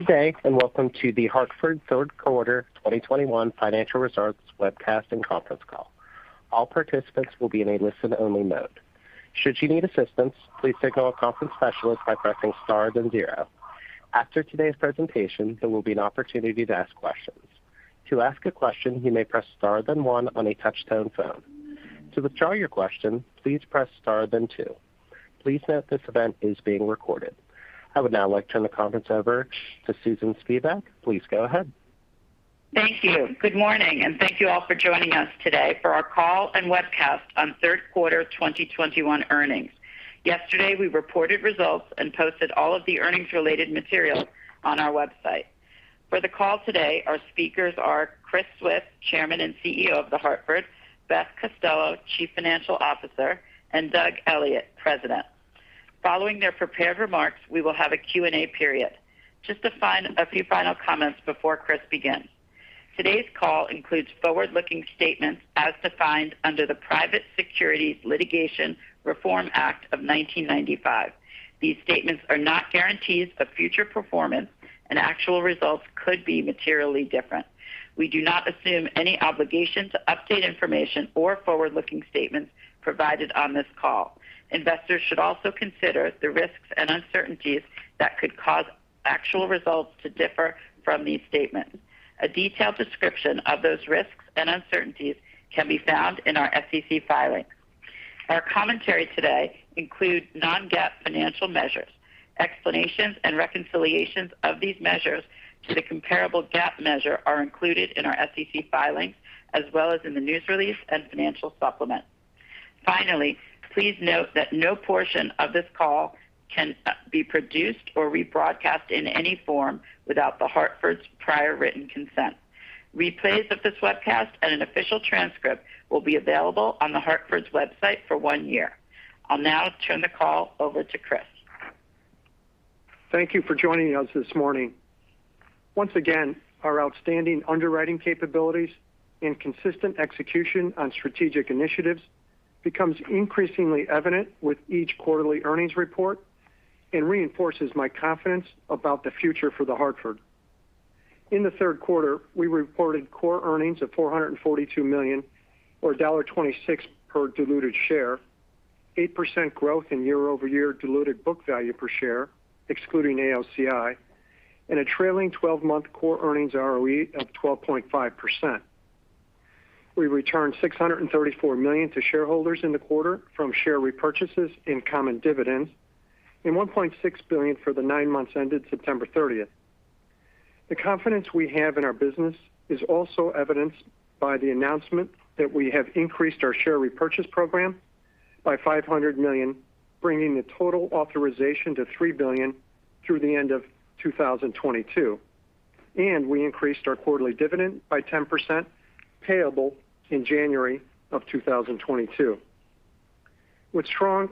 Good day, and welcome to The Hartford third quarter 2021 financial results webcast and conference call. All participants will be in a listen-only mode. Should you need assistance, please signal a conference specialist by pressing Star then zero. After today's presentation, there will be an opportunity to ask questions. To ask a question, you may press Star then one on a touch-tone phone. To withdraw your question, please press Star then two. Please note this event is being recorded. I would now like to turn the conference over to Susan Spivak. Please go ahead. Thank you. Good morning, and thank you all for joining us today for our call and webcast on third quarter 2021 earnings. Yesterday, we reported results and posted all of the earnings related materials on our website. For the call today, our speakers are Chris Swift, Chairman and CEO of The Hartford, Beth Costello, Chief Financial Officer, and Doug Elliot, President. Following their prepared remarks, we will have a Q&A period. Just a few final comments before Chris begins. Today's call includes forward-looking statements as defined under the Private Securities Litigation Reform Act of 1995. These statements are not guarantees of future performance and actual results could be materially different. We do not assume any obligation to update information or forward-looking statements provided on this call. Investors should also consider the risks and uncertainties that could cause actual results to differ from these statements. A detailed description of those risks and uncertainties can be found in our SEC filings. Our commentary today includes non-GAAP financial measures. Explanations and reconciliations of these measures to the comparable GAAP measure are included in our SEC filings, as well as in the news release and financial supplement. Finally, please note that no portion of this call can be produced or rebroadcast in any form without The Hartford's prior written consent. Replays of this webcast and an official transcript will be available on The Hartford's website for one year. I'll now turn the call over to Chris. Thank you for joining us this morning. Once again, our outstanding underwriting capabilities and consistent execution on strategic initiatives becomes increasingly evident with each quarterly earnings report and reinforces my confidence about the future for The Hartford. In the third quarter, we reported core earnings of $442 million or $2.60 per diluted share, 8% growth in year-over-year diluted book value per share, excluding AOCI, and a trailing twelve-month core earnings ROE of 12.5%. We returned $634 million to shareholders in the quarter from share repurchases and common dividends and $1.6 billion for the 9 months ended September 30. The confidence we have in our business is also evidenced by the announcement that we have increased our share repurchase program by $500 million, bringing the total authorization to $3 billion through the end of 2022. We increased our quarterly dividend by 10% payable in January 2022. With strong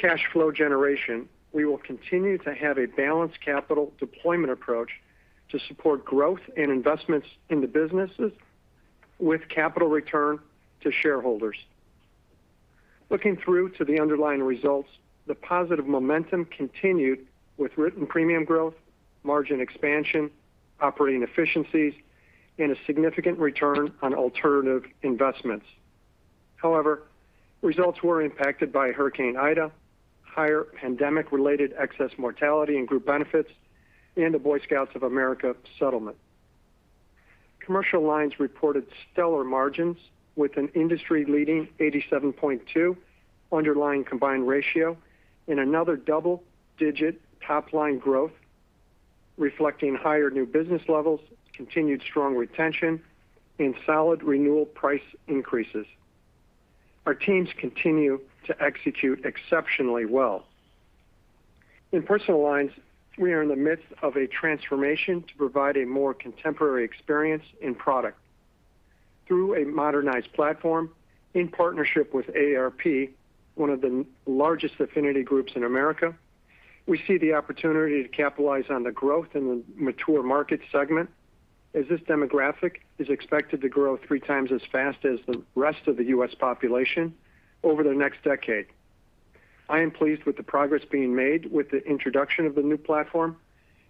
cash flow generation, we will continue to have a balanced capital deployment approach to support growth and investments in the businesses with capital return to shareholders. Looking through to the underlying results, the positive momentum continued with written premium growth, margin expansion, operating efficiencies, and a significant return on alternative investments. However, results were impacted by Hurricane Ida, higher pandemic-related excess mortality and group benefits, and the Boy Scouts of America settlement. Commercial lines reported stellar margins with an industry-leading 87.2 underlying combined ratio and another double-digit top line growth reflecting higher new business levels, continued strong retention, and solid renewal price increases. Our teams continue to execute exceptionally well. In personal lines, we are in the midst of a transformation to provide a more contemporary experience in product. Through a modernized platform in partnership with AARP, one of the largest affinity groups in America, we see the opportunity to capitalize on the growth in the mature market segment as this demographic is expected to grow three times as fast as the rest of the U.S. population over the next decade. I am pleased with the progress being made with the introduction of the new platform,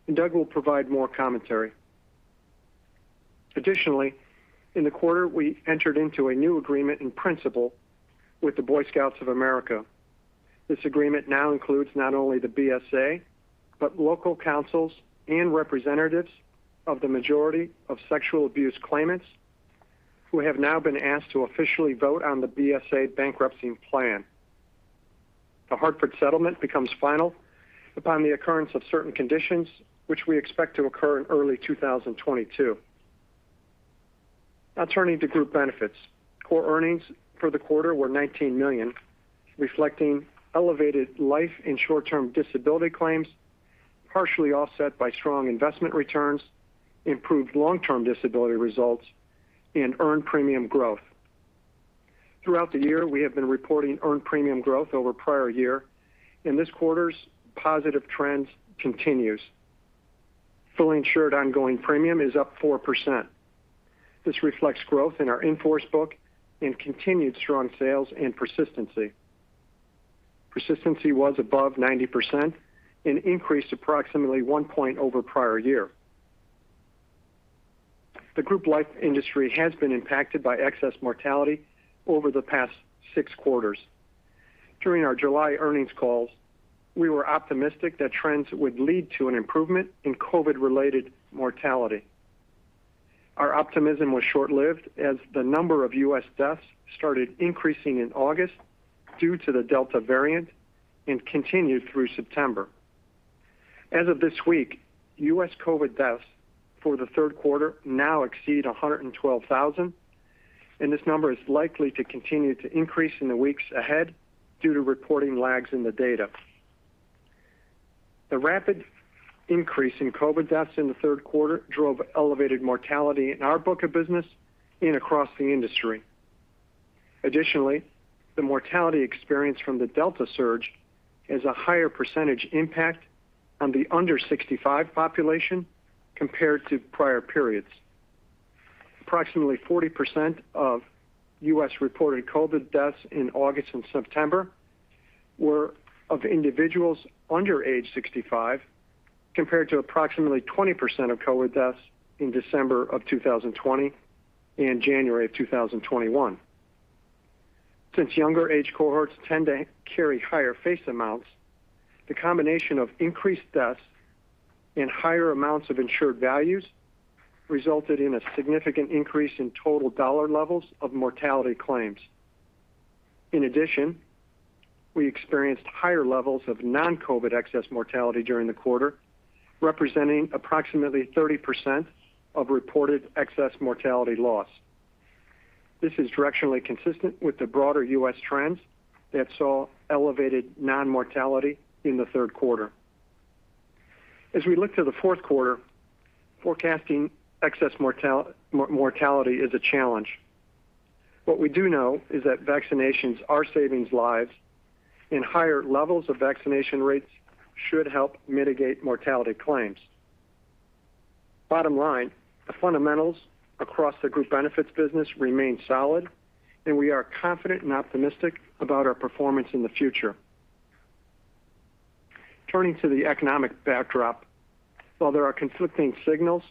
and Doug will provide more commentary. Additionally, in the quarter, we entered into a new agreement in principle with the Boy Scouts of America. This agreement now includes not only the BSA, but local councils and representatives of the majority of sexual abuse claimants who have now been asked to officially vote on the BSA bankruptcy plan. The Hartford settlement becomes final upon the occurrence of certain conditions, which we expect to occur in early 2022. Now turning to group benefits. Core earnings for the quarter were $19 million, reflecting elevated life and short-term disability claims, partially offset by strong investment returns, improved long-term disability results, and earned premium growth. Throughout the year, we have been reporting earned premium growth over prior year, and this quarter's positive trends continues. Fully insured ongoing premium is up 4%. This reflects growth in our in-force book and continued strong sales and persistency. Persistency was above 90% and increased approximately 1 point over prior year. The Group Life industry has been impacted by excess mortality over the past 6 quarters. During our July earnings calls, we were optimistic that trends would lead to an improvement in COVID-related mortality. Our optimism was short-lived as the number of U.S. deaths started increasing in August due to the Delta variant and continued through September. As of this week, U.S. COVID deaths for the third quarter now exceed 112,000, and this number is likely to continue to increase in the weeks ahead due to reporting lags in the data. The rapid increase in COVID deaths in the third quarter drove elevated mortality in our book of business and across the industry. Additionally, the mortality experience from the Delta surge has a higher percentage impact on the under 65 population compared to prior periods. Approximately 40% of U.S. reported COVID deaths in August and September were of individuals under age 65, compared to approximately 20% of COVID deaths in December of 2020 and January of 2021. Since younger age cohorts tend to carry higher face amounts, the combination of increased deaths and higher amounts of insured values resulted in a significant increase in total dollar levels of mortality claims. In addition, we experienced higher levels of non-COVID excess mortality during the quarter, representing approximately 30% of reported excess mortality loss. This is directionally consistent with the broader U.S. trends that saw elevated non-COVID mortality in the third quarter. As we look to the fourth quarter, forecasting excess mortality is a challenge. What we do know is that vaccinations are saving lives and higher levels of vaccination rates should help mitigate mortality claims. Bottom line, the fundamentals across the Group Benefits business remain solid, and we are confident and optimistic about our performance in the future. Turning to the economic backdrop, while there are conflicting signals,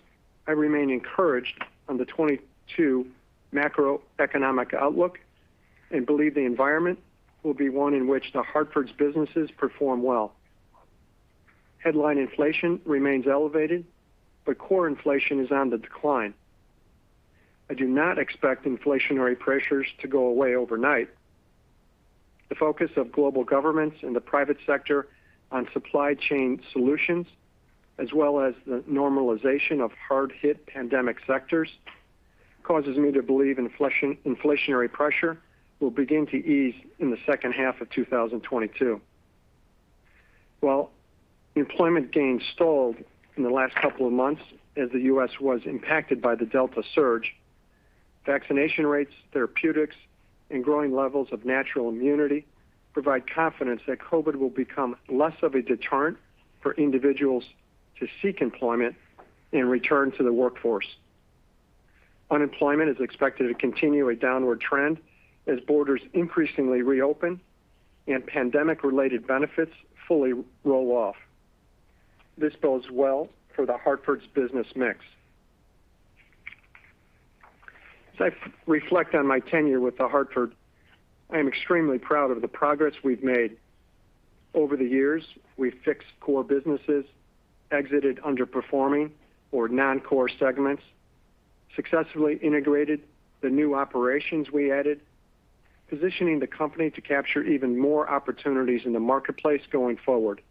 I remain encouraged on the 2022 macroeconomic outlook and believe the environment will be one in which The Hartford's businesses perform well. Headline inflation remains elevated, but core inflation is on the decline. I do not expect inflationary pressures to go away overnight. The focus of global governments and the private sector on supply chain solutions, as well as the normalization of hard hit pandemic sectors, causes me to believe inflationary pressure will begin to ease in the second half of 2022. While employment gains stalled in the last couple of months as the U.S. was impacted by the Delta surge, vaccination rates, therapeutics, and growing levels of natural immunity provide confidence that COVID will become less of a deterrent for individuals to seek employment and return to the workforce. Unemployment is expected to continue a downward trend as borders increasingly reopen and pandemic related benefits fully roll off. This bodes well for The Hartford's business mix. As I reflect on my tenure with The Hartford, I am extremely proud of the progress we've made. Over the years, we've fixed core businesses, exited underperforming or non-core segments, successfully integrated the new operations we added, positioning the company to capture even more opportunities in the marketplace going forward.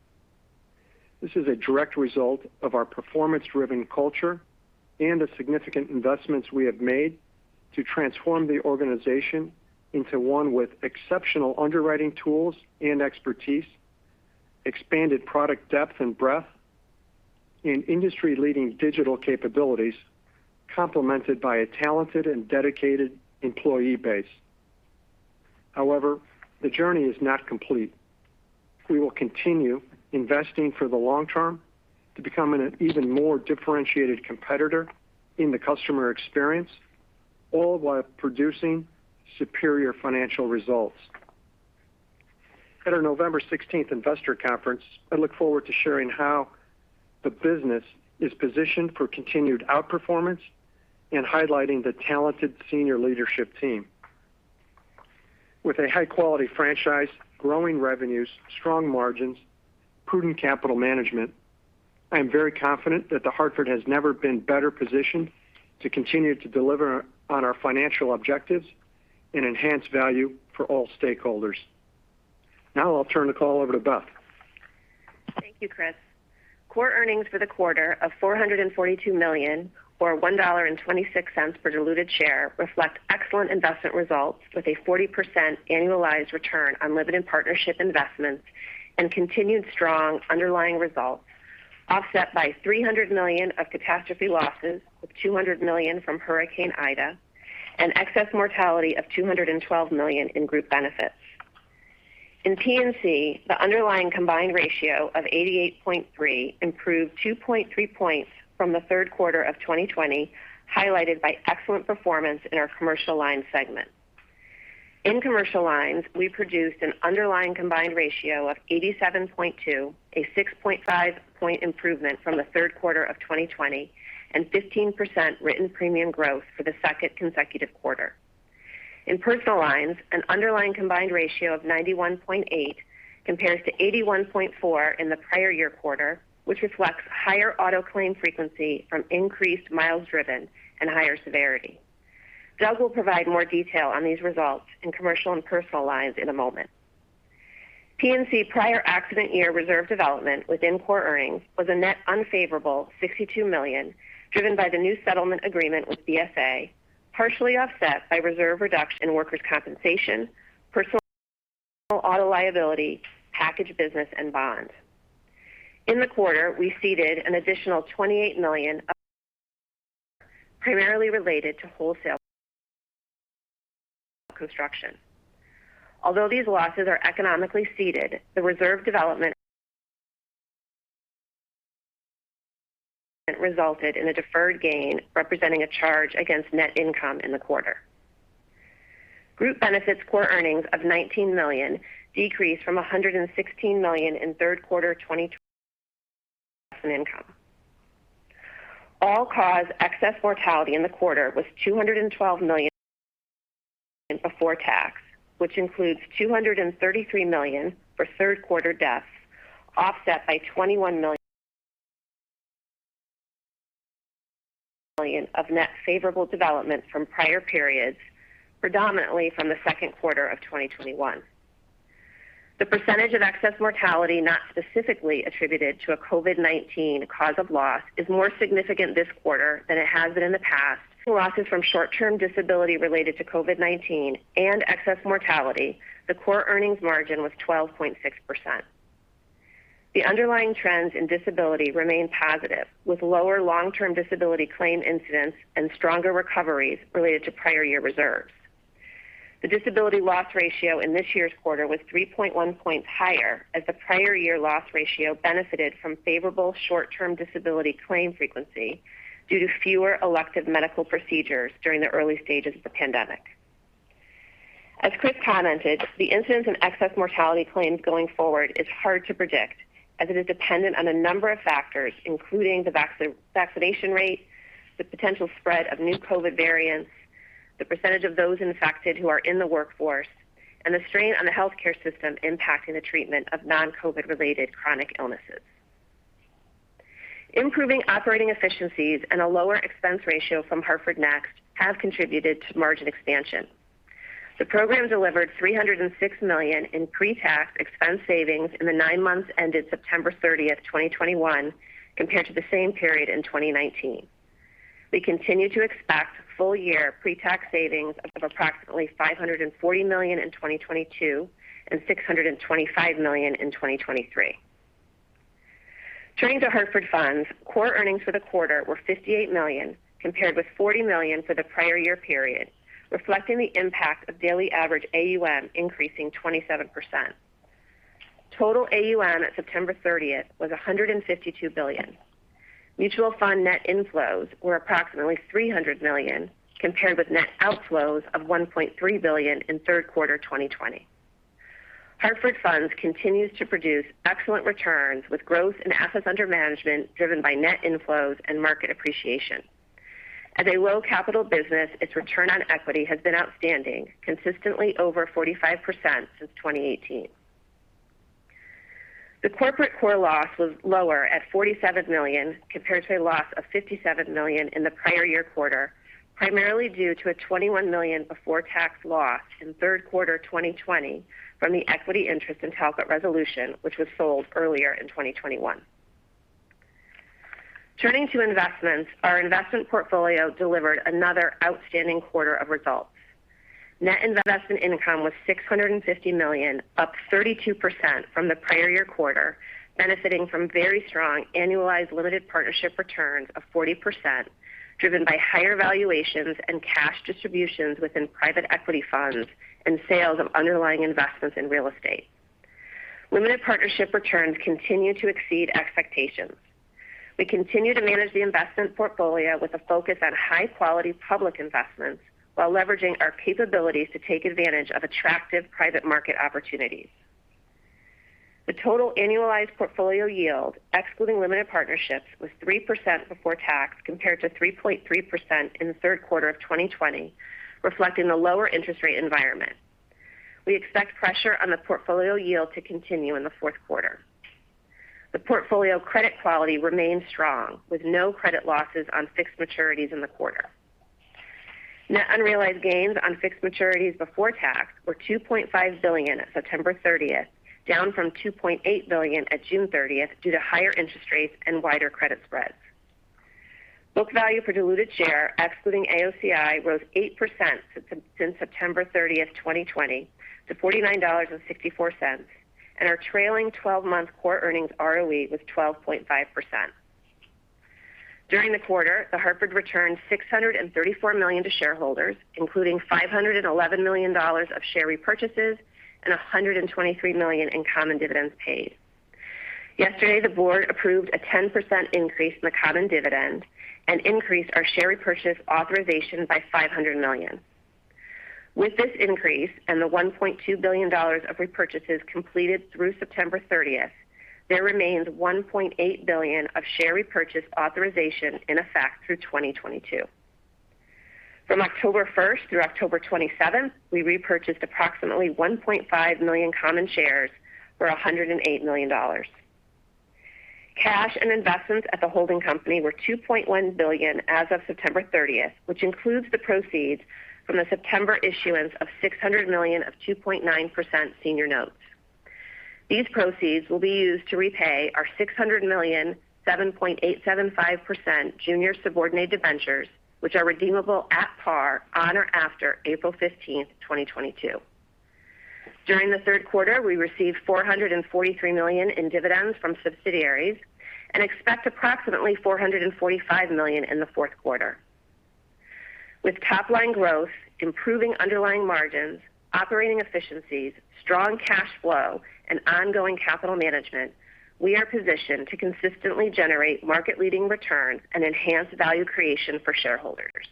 This is a direct result of our performance driven culture and the significant investments we have made to transform the organization into one with exceptional underwriting tools and expertise, expanded product depth and breadth, and industry leading digital capabilities complemented by a talented and dedicated employee base. However, the journey is not complete. We will continue investing for the long term to become an even more differentiated competitor in the customer experience, all while producing superior financial results. At our November sixteenth investor conference, I look forward to sharing how the business is positioned for continued outperformance and highlighting the talented senior leadership team. With a high quality franchise, growing revenues, strong margins, prudent capital management, I am very confident that The Hartford has never been better positioned to continue to deliver on our financial objectives and enhance value for all stakeholders. Now I'll turn the call over to Beth. Thank you, Chris. Core earnings for the quarter of $442 million or $1.26 per diluted share reflect excellent investment results with a 40% annualized return on limited partnership investments and continued strong underlying results, offset by $300 million of catastrophe losses, with $200 million from Hurricane Ida and excess mortality of $212 million in Group Benefits. In P&C, the underlying combined ratio of 88.3 improved 2.3 points from the third quarter of 2020, highlighted by excellent performance in our commercial lines segment. In commercial lines, we produced an underlying combined ratio of 87.2, a 6.5-point improvement from the third quarter of 2020 and 15% written premium growth for the second consecutive quarter. In personal lines, an underlying combined ratio of 91.8 compares to 81.4 in the prior year quarter, which reflects higher auto claim frequency from increased miles driven and higher severity. Doug Elliot will provide more detail on these results in commercial and personal lines in a moment. P&C prior accident year reserve development within core earnings was a net unfavorable $62 million, driven by the new settlement agreement with BSA, partially offset by reserve reduction in workers' compensation, personal auto liability, package business and bond. In the quarter, we ceded an additional $28 million, primarily related to wholesale construction. Although these losses are economically ceded, the reserve development resulted in a deferred gain representing a charge against net income in the quarter. Group benefits core earnings of $19 million decreased from $116 million in third quarter 2020 income. All-cause excess mortality in the quarter was $212 million before tax, which includes $233 million for third quarter deaths, offset by $21 million of net favorable development from prior periods, predominantly from the second quarter of 2021. The percentage of excess mortality not specifically attributed to a COVID-19 cause of loss is more significant this quarter than it has been in the past. Losses from short-term disability related to COVID-19 and excess mortality, the core earnings margin was 12.6%. The underlying trends in disability remain positive, with lower long-term disability claim incidents and stronger recoveries related to prior year reserves. The disability loss ratio in this year's quarter was 3.1 points higher as the prior year loss ratio benefited from favorable short-term disability claim frequency due to fewer elective medical procedures during the early stages of the pandemic. As Chris commented, the incidence in excess mortality claims going forward is hard to predict as it is dependent on a number of factors, including the vaccination rate, the potential spread of new COVID variants, the percentage of those infected who are in the workforce, and the strain on the healthcare system impacting the treatment of non-COVID related chronic illnesses. Improving operating efficiencies and a lower expense ratio from Hartford Next have contributed to margin expansion. The program delivered $306 million in pre-tax expense savings in the nine months ended September 30, 2021, compared to the same period in 2019. We continue to expect full year pre-tax savings of approximately $540 million in 2022 and $625 million in 2023. Turning to Hartford Funds, core earnings for the quarter were $58 million, compared with $40 million for the prior year period, reflecting the impact of daily average AUM increasing 27%. Total AUM at September 30 was $152 billion. Mutual fund net inflows were approximately $300 million, compared with net outflows of $1.3 billion in third quarter 2020. Hartford Funds continues to produce excellent returns with growth in assets under management driven by net inflows and market appreciation. As a low capital business, its return on equity has been outstanding, consistently over 45% since 2018. The corporate core loss was lower at $47 million compared to a loss of $57 million in the prior year quarter, primarily due to a $21 million before tax loss in third quarter 2020 from the equity interest in Talcott Resolution, which was sold earlier in 2021. Turning to investments, our investment portfolio delivered another outstanding quarter of results. Net investment income was $650 million, up 32% from the prior year quarter, benefiting from very strong annualized limited partnership returns of 40%, driven by higher valuations and cash distributions within private equity funds and sales of underlying investments in real estate. Limited partnership returns continue to exceed expectations. We continue to manage the investment portfolio with a focus on high-quality public investments while leveraging our capabilities to take advantage of attractive private market opportunities. The total annualized portfolio yield, excluding limited partnerships, was 3% before tax compared to 3.3% in the third quarter of 2020, reflecting the lower interest rate environment. We expect pressure on the portfolio yield to continue in the fourth quarter. The portfolio credit quality remains strong, with no credit losses on fixed maturities in the quarter. Net unrealized gains on fixed maturities before tax were $2.5 billion at September 30, down from $2.8 billion at June 30 due to higher interest rates and wider credit spreads. Book value per diluted share, excluding AOCI, rose 8% since September 30, 2020 to $49.64, and our trailing-twelve-month core earnings ROE was 12.5%. During the quarter, The Hartford returned $634 million to shareholders, including $511 million of share repurchases and $123 million in common dividends paid. Yesterday, the board approved a 10% increase in the common dividend and increased our share repurchase authorization by $500 million. With this increase and the $1.2 billion of repurchases completed through September 30, there remains $1.8 billion of share repurchase authorization in effect through 2022. From October 1 through October 27, we repurchased approximately 1.5 million common shares for $108 million. Cash and investments at the holding company were $2.1 billion as of September 30, which includes the proceeds from the September issuance of $600 million of 2.9% senior notes. These proceeds will be used to repay our $600 million 7.875% junior subordinated debentures, which are redeemable at par on or after April 15, 2022. During the third quarter, we received $443 million in dividends from subsidiaries and expect approximately $445 million in the fourth quarter. With top line growth, improving underlying margins, operating efficiencies, strong cash flow and ongoing capital management, we are positioned to consistently generate market-leading returns and enhance value creation for shareholders.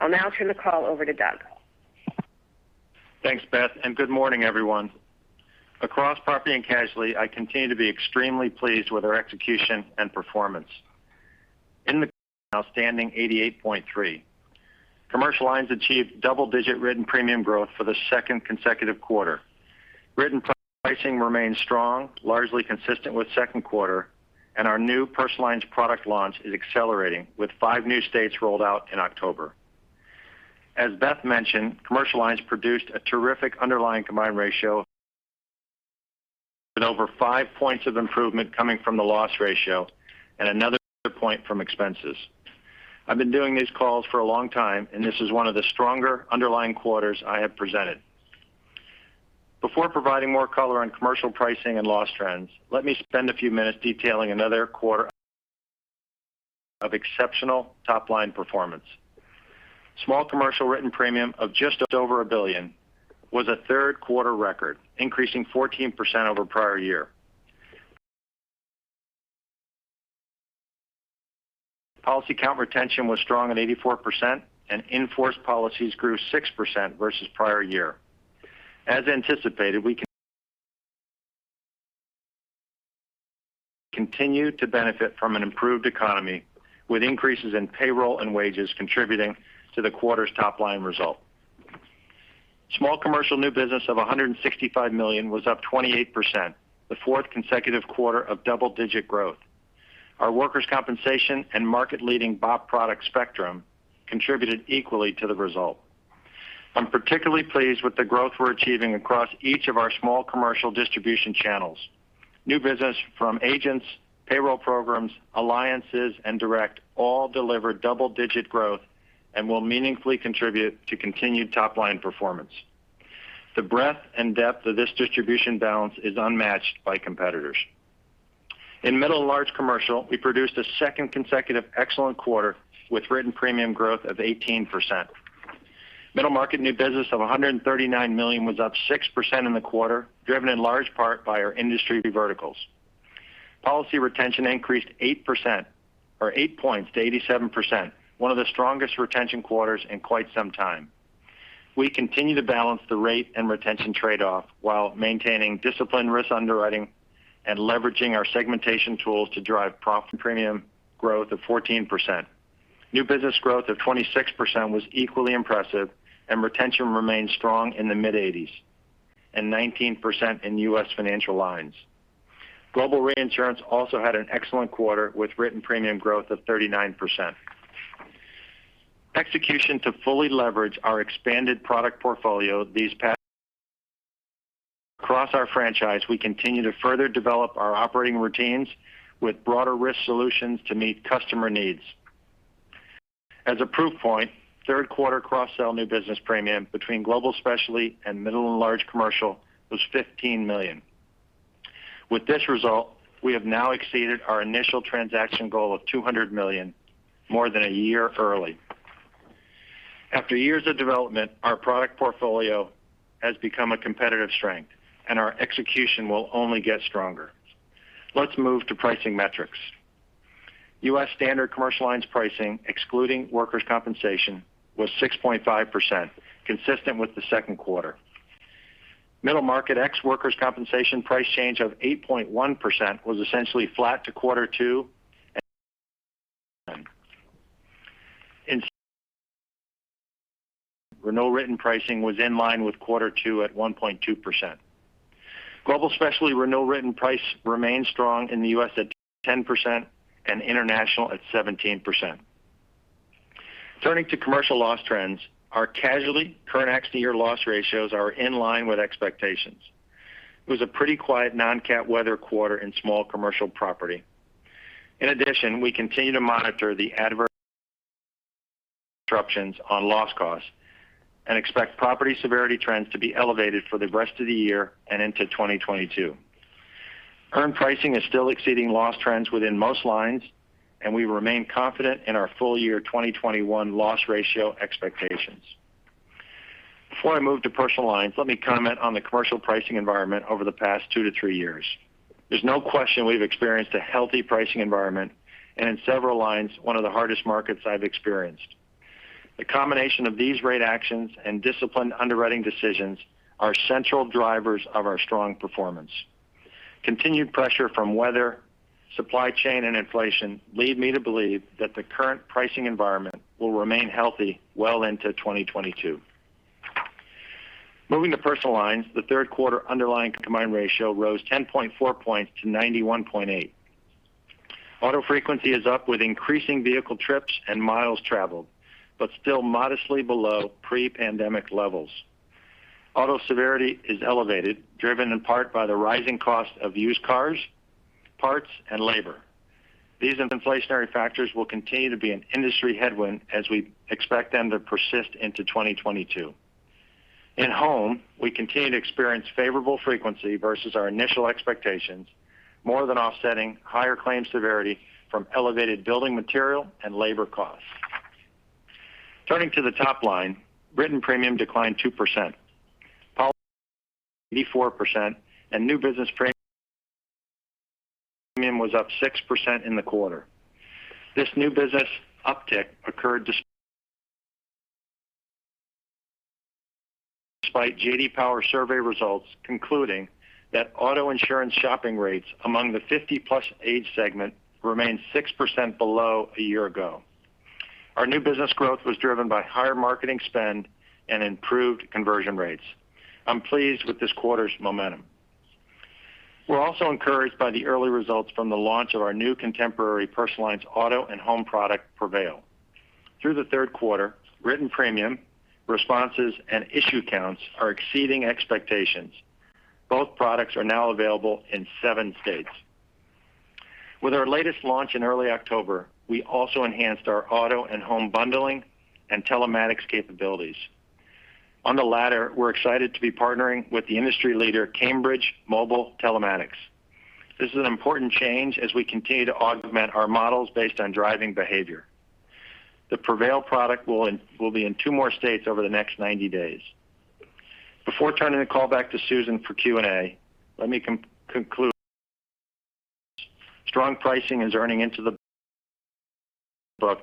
I'll now turn the call over to Doug. Thanks, Beth, and good morning, everyone. Across property and casualty, I continue to be extremely pleased with our execution and performance in the outstanding 88.3. Commercial lines achieved double-digit written premium growth for the second consecutive quarter. Written pricing remains strong, largely consistent with second quarter, and our new personal lines product launch is accelerating, with 5 new states rolled out in October. As Beth mentioned, commercial lines produced a terrific underlying combined ratio with over 5 points of improvement coming from the loss ratio and another point from expenses. I've been doing these calls for a long time, and this is one of the stronger underlying quarters I have presented. Before providing more color on commercial pricing and loss trends, let me spend a few minutes detailing another quarter of exceptional top-line performance. Small commercial written premium of just over $1 billion was a third-quarter record, increasing 14% over prior year. Policy count retention was strong at 84%, and in-force policies grew 6% versus prior year. As anticipated, we continue to benefit from an improved economy, with increases in payroll and wages contributing to the quarter's top-line result. Small commercial new business of $165 million was up 28%, the fourth consecutive quarter of double-digit growth. Our workers' compensation and market-leading BOP product Spectrum contributed equally to the result. I'm particularly pleased with the growth we're achieving across each of our small commercial distribution channels. New business from agents, payroll programs, alliances, and direct all delivered double-digit growth and will meaningfully contribute to continued top-line performance. The breadth and depth of this distribution balance is unmatched by competitors. In middle and large commercial, we produced a second consecutive excellent quarter with written premium growth of 18%. Middle market new business of $139 million was up 6% in the quarter, driven in large part by our industry verticals. Policy retention increased 8% or 8 points to 87%, one of the strongest retention quarters in quite some time. We continue to balance the rate and retention trade-off while maintaining disciplined risk underwriting and leveraging our segmentation tools to drive profit premium growth of 14%. New business growth of 26% was equally impressive, and retention remains strong in the mid-80s and 19% in U.S. Financial Lines. Global reinsurance also had an excellent quarter, with written premium growth of 39%. Execution to fully leverage our expanded product portfolio across our franchise, we continue to further develop our operating routines with broader risk solutions to meet customer needs. As a proof point, third quarter cross-sell new business premium between Global Specialty and Middle and Large Commercial was $15 million. With this result, we have now exceeded our initial transaction goal of $200 million more than a year early. After years of development, our product portfolio has become a competitive strength, and our execution will only get stronger. Let's move to pricing metrics. U.S. standard commercial lines pricing, excluding workers' compensation, was 6.5%, consistent with the second quarter. Middle market ex workers' compensation price change of 8.1% was essentially flat to quarter two. In renewal written pricing was in line with quarter two at 1.2%. Global Specialty renewal written price remains strong in the U.S. at 10% and international at 17%. Turning to commercial loss trends, our casualty current accident year loss ratios are in line with expectations. It was a pretty quiet non-cat weather quarter in small commercial property. In addition, we continue to monitor the adverse developments on loss costs and expect property severity trends to be elevated for the rest of the year and into 2022. Earned pricing is still exceeding loss trends within most lines, and we remain confident in our full-year 2021 loss ratio expectations. Before I move to personal lines, let me comment on the commercial pricing environment over the past 2-3 years. There's no question we've experienced a healthy pricing environment and in several lines, one of the hardest markets I've experienced. The combination of these rate actions and disciplined underwriting decisions are central drivers of our strong performance. Continued pressure from weather, supply chain, and inflation lead me to believe that the current pricing environment will remain healthy well into 2022. Moving to personal lines, the third quarter underlying combined ratio rose 10.4 points to 91.8. Auto frequency is up with increasing vehicle trips and miles traveled, but still modestly below pre-pandemic levels. Auto severity is elevated, driven in part by the rising cost of used cars, parts, and labor. These inflationary factors will continue to be an industry headwind as we expect them to persist into 2022. In home, we continue to experience favorable frequency versus our initial expectations, more than offsetting higher claim severity from elevated building material and labor costs. Turning to the top line, written premium declined 2%. Policy 84% and new business premium was up 6% in the quarter. This new business uptick occurred despite J.D. Power survey results concluding that auto insurance shopping rates among the 50+ age segment remained 6% below a year ago. Our new business growth was driven by higher marketing spend and improved conversion rates. I'm pleased with this quarter's momentum. We're also encouraged by the early results from the launch of our new contemporary personal lines auto and home product, Prevail. Through the third quarter, written premium responses and issue counts are exceeding expectations. Both products are now available in 7 states. With our latest launch in early October, we also enhanced our auto and home bundling and telematics capabilities. On the latter, we're excited to be partnering with the industry leader, Cambridge Mobile Telematics. This is an important change as we continue to augment our models based on driving behavior. The Prevail product will be in two more states over the next 90 days. Before turning the call back to Susan for Q&A, let me conclude. Strong pricing is translating into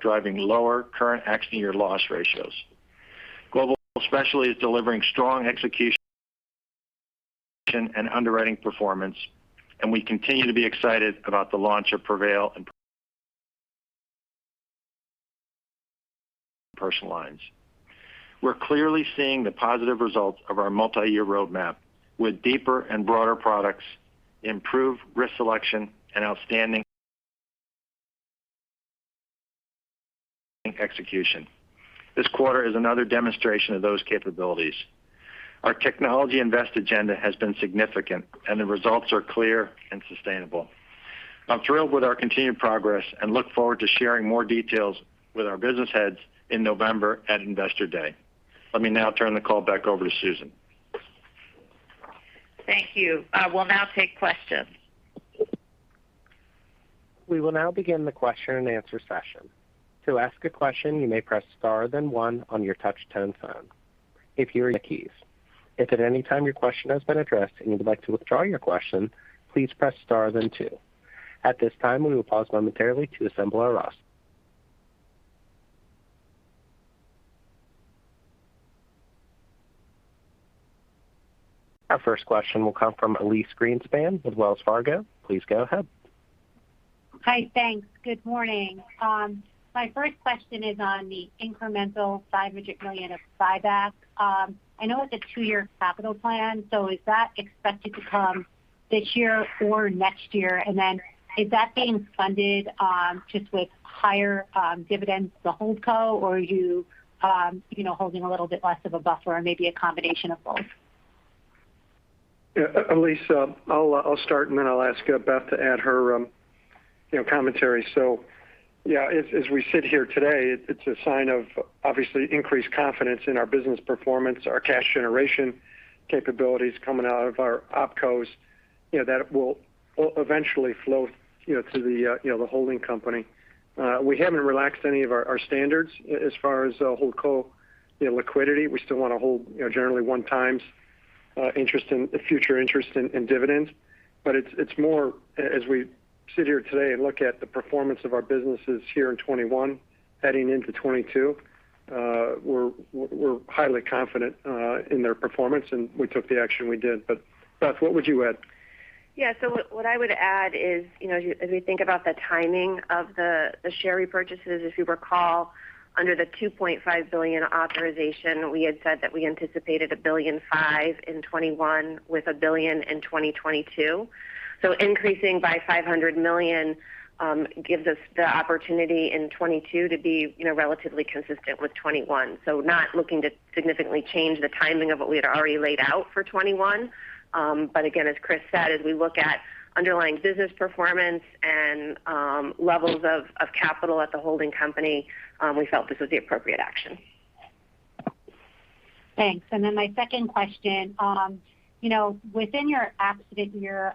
driving lower current accident year loss ratios. Global Specialty is delivering strong execution and underwriting performance, and we continue to be excited about the launch of Prevail and personal lines. We're clearly seeing the positive results of our multi-year roadmap with deeper and broader products, improved risk selection, and outstanding execution. This quarter is another demonstration of those capabilities. Our technology investment agenda has been significant, and the results are clear and sustainable. I'm thrilled with our continued progress and look forward to sharing more details with our business heads in November at Investor Day. Let me now turn the call back over to Susan. Thank you. We'll now take questions. We will now begin the question and answer session. To ask a question, you may press star then one on your touch tone phone. If at any time your question has been addressed and you'd like to withdraw your question, please press star then two. At this time, we will pause momentarily to assemble our roster. Our first question will come from Elyse Greenspan with Wells Fargo. Please go ahead. Hi. Thanks. Good morning. My first question is on the incremental $500 million of buyback. I know it's a two-year capital plan, so is that expected to come this year or next year? Then is that getting funded, just with higher dividends to the hold co, or are you know, holding a little bit less of a buffer or maybe a combination of both? Yeah, Elyse, I'll start, and then I'll ask Beth to add her, you know, commentary. Yeah, as we sit here today, it's a sign of obviously increased confidence in our business performance, our cash generation capabilities coming out of our opcos, you know, that will eventually flow, you know, to the, you know, the holding company. We haven't relaxed any of our standards as far as hold co, you know, liquidity. We still wanna hold, you know, generally one times future interest in dividends. It's more as we sit here today and look at the performance of our businesses here in 2021 heading into 2022, we're highly confident in their performance, and we took the action we did. Beth, what would you add? What I would add is, you know, as we think about the timing of the share repurchases, if you recall, under the $2.5 billion authorization, we had said that we anticipated $1.5 billion in 2021 with $1 billion in 2022. Increasing by $500 million gives us the opportunity in 2022 to be, you know, relatively consistent with 2021. Not looking to significantly change the timing of what we had already laid out for 2021. Again, as Chris said, as we look at underlying business performance and levels of capital at the holding company, we felt this was the appropriate action. Thanks. My second question, you know, within your accident year,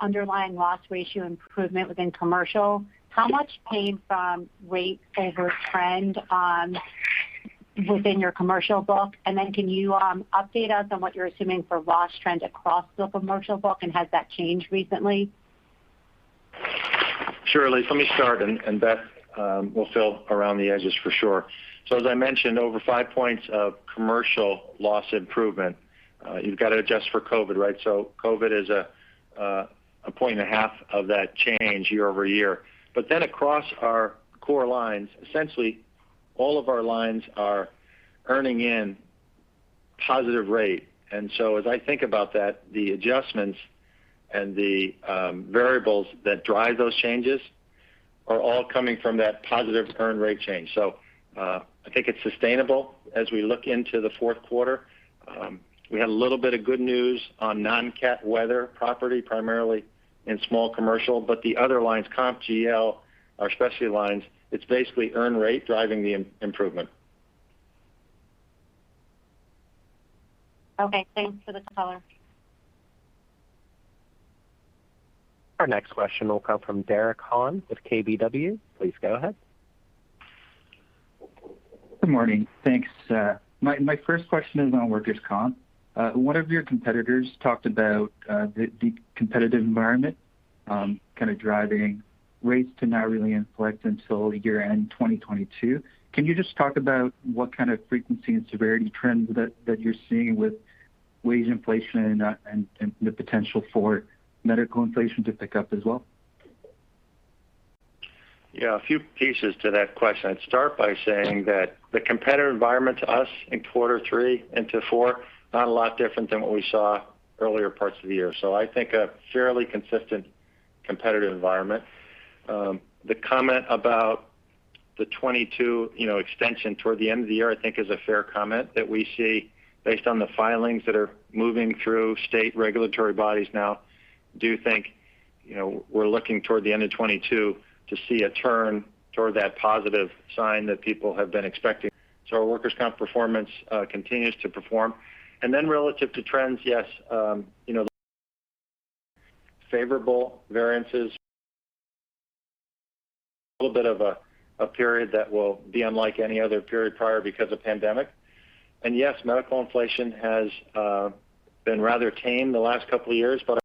underlying loss ratio improvement within commercial, how much came from rate over trend on? Within your commercial book. Can you update us on what you're assuming for loss trends across the commercial book, and has that changed recently? Sure, Elyse. Let me start, and Beth will fill around the edges for sure. As I mentioned, over 5 points of commercial loss improvement, you've got to adjust for COVID, right? COVID is 1.5 points of that change year-over-year. But then across our core lines, essentially all of our lines are earning in positive rate. As I think about that, the adjustments and the variables that drive those changes are all coming from that positive earn rate change. I think it's sustainable as we look into the fourth quarter. We had a little bit of good news on non-cat weather property, primarily in small commercial. But the other lines, comp GL, our specialty lines, it's basically earn rate driving the improvement. Okay, thanks for the color. Our next question will come from Dong Yoon Han with KBW. Please go ahead. Good morning. Thanks. My first question is on workers' comp. One of your competitors talked about the competitive environment kind of driving rates to not really inflect until year-end 2022. Can you just talk about what kind of frequency and severity trends that you're seeing with wage inflation and the potential for medical inflation to pick up as well? Yeah, a few pieces to that question. I'd start by saying that the competitive environment to us in quarter three into four, not a lot different than what we saw earlier parts of the year. I think a fairly consistent competitive environment. The comment about the 2022, you know, extension toward the end of the year, I think is a fair comment that we see based on the filings that are moving through state regulatory bodies now. I do think, you know, we're looking toward the end of 2022 to see a turn toward that positive sign that people have been expecting. Our workers' comp performance continues to perform. Relative to trends, yes, favorable variances. A little bit of a period that will be unlike any other period prior because of pandemic. Yes, medical inflation has been rather tame the last couple of years, but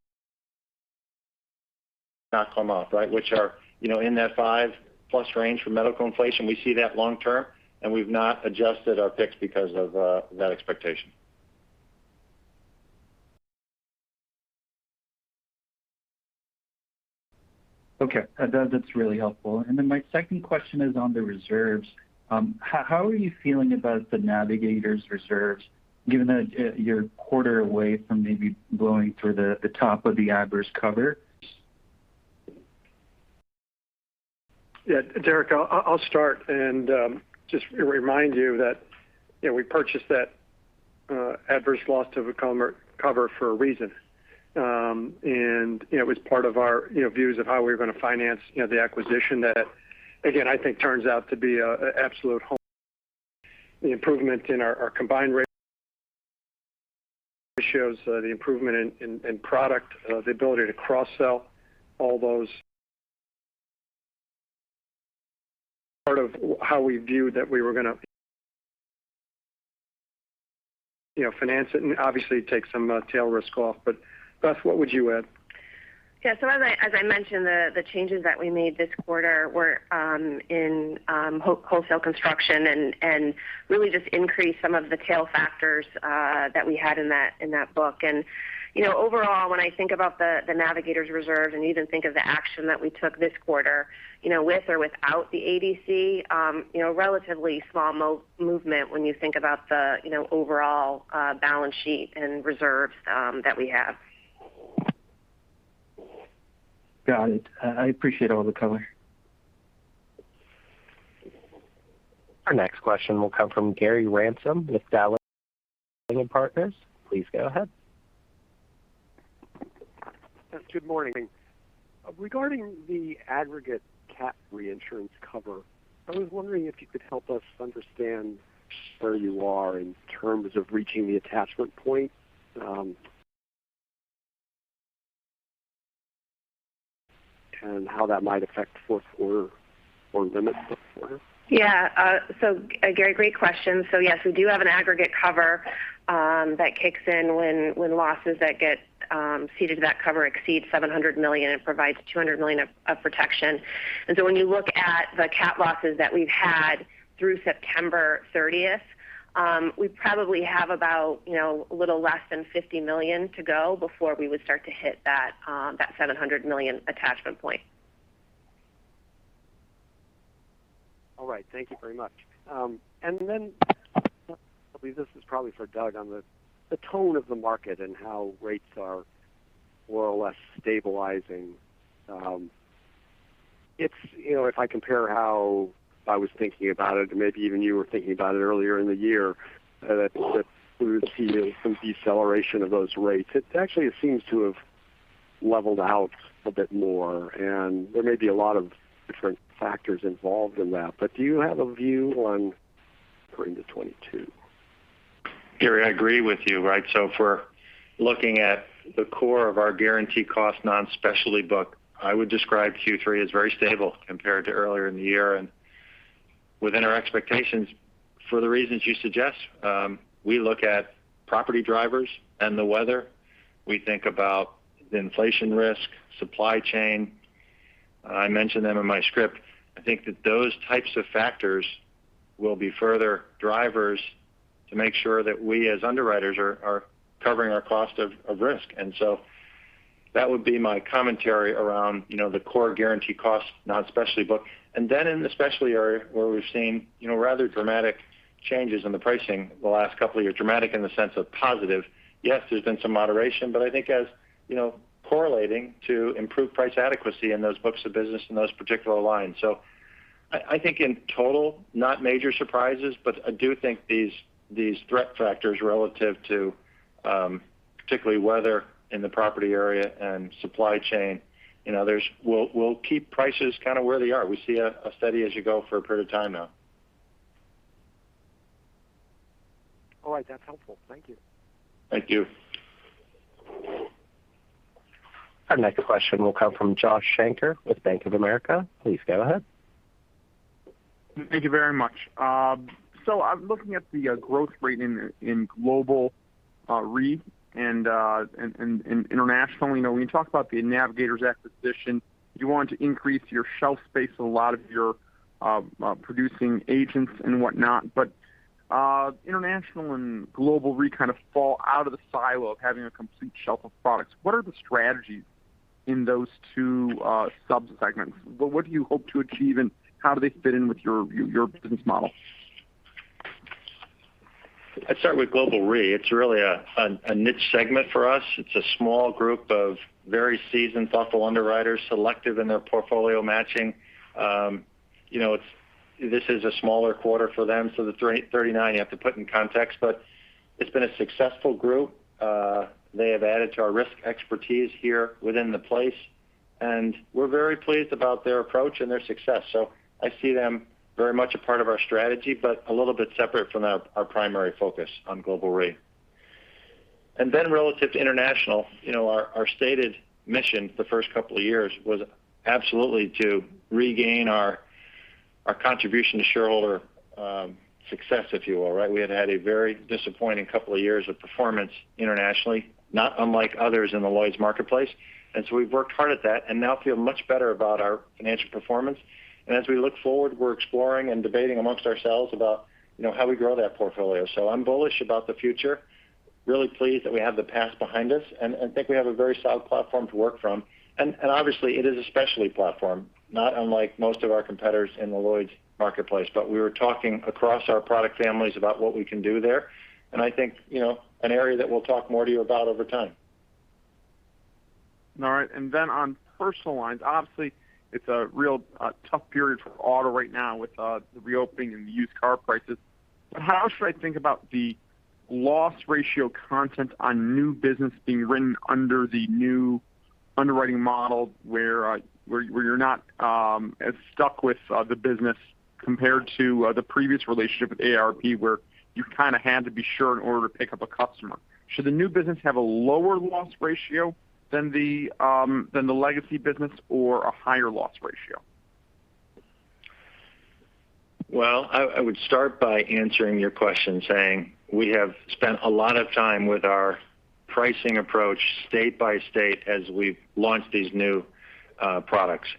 not come up, right? Which are in that 5+ range for medical inflation. We see that long term, and we've not adjusted our picks because of that expectation. Okay. That's really helpful. My second question is on the reserves. How are you feeling about the Navigators reserves, given that you're a quarter away from maybe blowing through the top of the adverse cover? Yeah. Dong Yoon Han, I'll start and just remind you that, you know, we purchased that Adverse Development Cover for a reason. You know, it was part of our views of how we were going to finance the acquisition that, again, I think turns out to be an absolute home run. The improvement in our combined ratio shows the improvement in product, the ability to cross-sell all those. Part of how we viewed that we were gonna finance it and obviously take some tail risk off. Beth, what would you add? Yeah. As I mentioned, the changes that we made this quarter were in wholesale construction and really just increase some of the tail factors that we had in that book. You know, overall, when I think about the Navigators reserve and even think of the action that we took this quarter, you know, with or without the ADC, you know, relatively small movement when you think about the overall balance sheet and reserves that we have. Got it. I appreciate all the color. Our next question will come from Gary Ransom with Dowling & Partners. Please go ahead. Yes, good morning. Regarding the aggregate cat reinsurance cover, I was wondering if you could help us understand where you are in terms of reaching the attachment point, and how that might affect fourth quarter or limit fourth quarter? Yeah. Gary, great question. Yes, we do have an aggregate cover that kicks in when losses that get ceded to that cover exceed $700 million. It provides $200 million of protection. When you look at the cat losses that we've had through September thirtieth, we probably have about, you know, a little less than $50 million to go before we would start to hit that $700 million attachment point. All right. Thank you very much. I believe this is probably for Doug on the tone of the market and how rates are more or less stabilizing. It's you know, if I compare how I was thinking about it, and maybe even you were thinking about it earlier in the year, that we would see some deceleration of those rates. It actually seems to have leveled out a bit more, and there may be a lot of different factors involved in that. Do you have a view on going to 2022? Gary, I agree with you, right? If we're looking at the core of our guaranteed cost non-specialty book, I would describe Q3 as very stable compared to earlier in the year and within our expectations for the reasons you suggest. We look at property drivers and the weather. We think about the inflation risk, supply chain. I mentioned them in my script. I think that those types of factors will be further drivers to make sure that we as underwriters are covering our cost of risk. That would be my commentary around, you know, the core guaranteed cost non-specialty book. In the specialty area where we've seen, you know, rather dramatic changes in the pricing the last couple of years, dramatic in the sense of positive. Yes, there's been some moderation, but I think as, you know, correlating to improve price adequacy in those books of business in those particular lines. I think in total, not major surprises, but I do think these threat factors relative to particularly weather in the property area and supply chain and others will keep prices kind of where they are. We see a steady as you go for a period of time now. All right. That's helpful. Thank you. Thank you. Our next question will come from Joshua Shanker with Bank of America. Please go ahead. Thank you very much. So I'm looking at the growth rate in global Re and in international. You know, when you talk about The Navigators acquisition, you want to increase your shelf space with a lot of your producing agents and whatnot. International and Global Re kind of fall out of the silo of having a complete shelf of products. What are the strategies in those two subsegments? What do you hope to achieve, and how do they fit in with your business model? I'd start with Global Re. It's really a niche segment for us. It's a small group of very seasoned, thoughtful underwriters, selective in their portfolio matching. You know, this is a smaller quarter for them, so the $39 you have to put in context. But it's been a successful group. They have added to our risk expertise here within the P&C, and we're very pleased about their approach and their success. So I see them very much a part of our strategy, but a little bit separate from our primary focus on Global Re. Then relative to international, you know, our stated mission the first couple of years was absolutely to regain our contribution to shareholder success, if you will, right? We had a very disappointing couple of years of performance internationally, not unlike others in the Lloyd's marketplace. We've worked hard at that and now feel much better about our financial performance. As we look forward, we're exploring and debating amongst ourselves about, you know, how we grow that portfolio. I'm bullish about the future, really pleased that we have the past behind us, and think we have a very solid platform to work from. Obviously it is a specialty platform, not unlike most of our competitors in the Lloyd's marketplace. We were talking across our product families about what we can do there. I think, you know, an area that we'll talk more to you about over time. All right. On personal lines, obviously it's a real tough period for auto right now with the reopening and the used car prices. How should I think about the loss ratio content on new business being written under the new underwriting model where you're not as stuck with the business compared to the previous relationship with AARP, where you kind of had to be sure in order to pick up a customer? Should the new business have a lower loss ratio than the legacy business or a higher loss ratio? Well, I would start by answering your question saying we have spent a lot of time with our pricing approach state by state as we've launched these new products.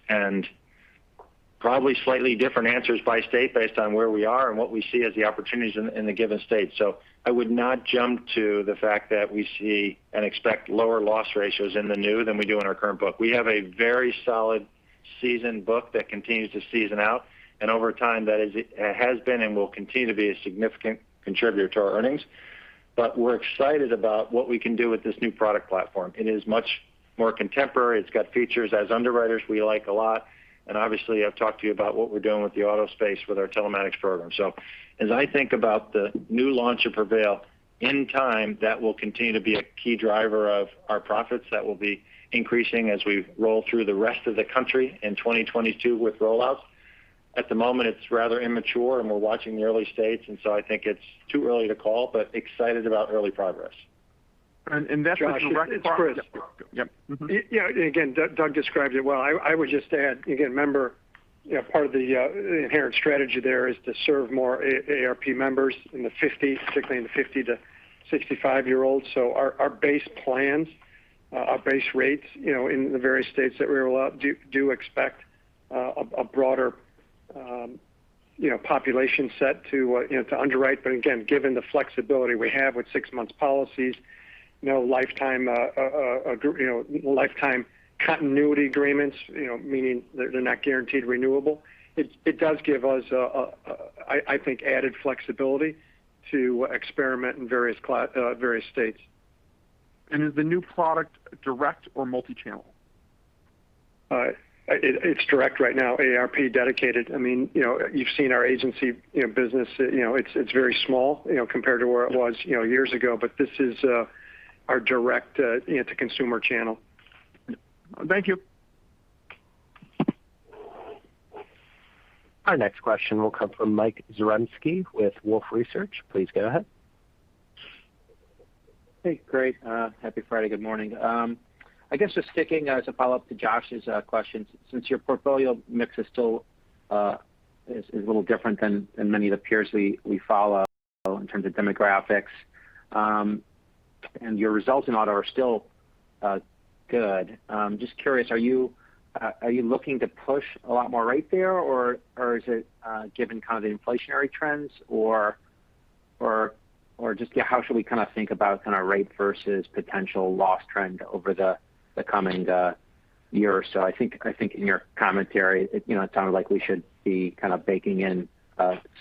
Probably slightly different answers by state based on where we are and what we see as the opportunities in the given state. I would not jump to the fact that we see and expect lower loss ratios in the new than we do in our current book. We have a very solid seasoned book that continues to season out, and over time, that is, it has been and will continue to be a significant contributor to our earnings. We're excited about what we can do with this new product platform. It is much more contemporary. It's got features, as underwriters, we like a lot. Obviously, I've talked to you about what we're doing with the auto space with our telematics program. As I think about the new launch of Prevail, in time, that will continue to be a key driver of our profits that will be increasing as we roll through the rest of the country in 2022 with rollouts. At the moment, it's rather immature and we're watching the early states, and so I think it's too early to call, but excited about early progress. And, and that's the direct- Josh, it's Chris. Yep. Mm-hmm. Yeah. Again, Doug described it well. I would just add, again, remember, you know, part of the inherent strategy there is to serve more AARP members in the 50s, particularly in the 50- to 65-year-olds. Our base plans, our base rates, you know, in the various states that we roll out do expect a broader, you know, population set to, you know, to underwrite. Again, given the flexibility we have with six-month policies, you know, lifetime continuity agreements, you know, meaning they're not guaranteed renewable, it does give us, I think, added flexibility to experiment in various states. Is the new product direct or multi-channel? It's direct right now, AARP dedicated. I mean, you know, you've seen our agency, you know, business. You know, it's very small, you know, compared to where it was, you know, years ago. But this is our direct, you know, to consumer channel. Thank you. Our next question will come from Mike Zaremski with Wolfe Research. Please go ahead. Hey, great. Happy Friday. Good morning. I guess just sticking as a follow-up to Josh's question. Since your portfolio mix is still a little different than many of the peers we follow in terms of demographics, and your results in auto are still good. Just curious, are you looking to push a lot more right there or is it given kind of the inflationary trends or just how should we kind of think about kind of rate versus potential loss trend over the coming year or so? I think in your commentary, you know, it sounded like we should be kind of baking in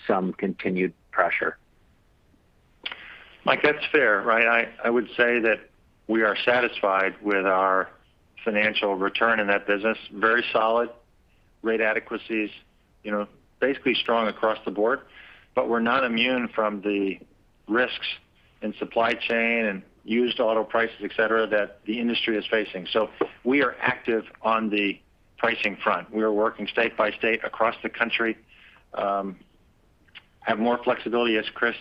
some continued pressure. Mike, that's fair, right? I would say that we are satisfied with our financial return in that business. Very solid rate adequacies, you know, basically strong across the board. We're not immune from the risks in supply chain and used auto prices, et cetera, that the industry is facing. We are active on the pricing front. We are working state by state across the country, have more flexibility, as Chris,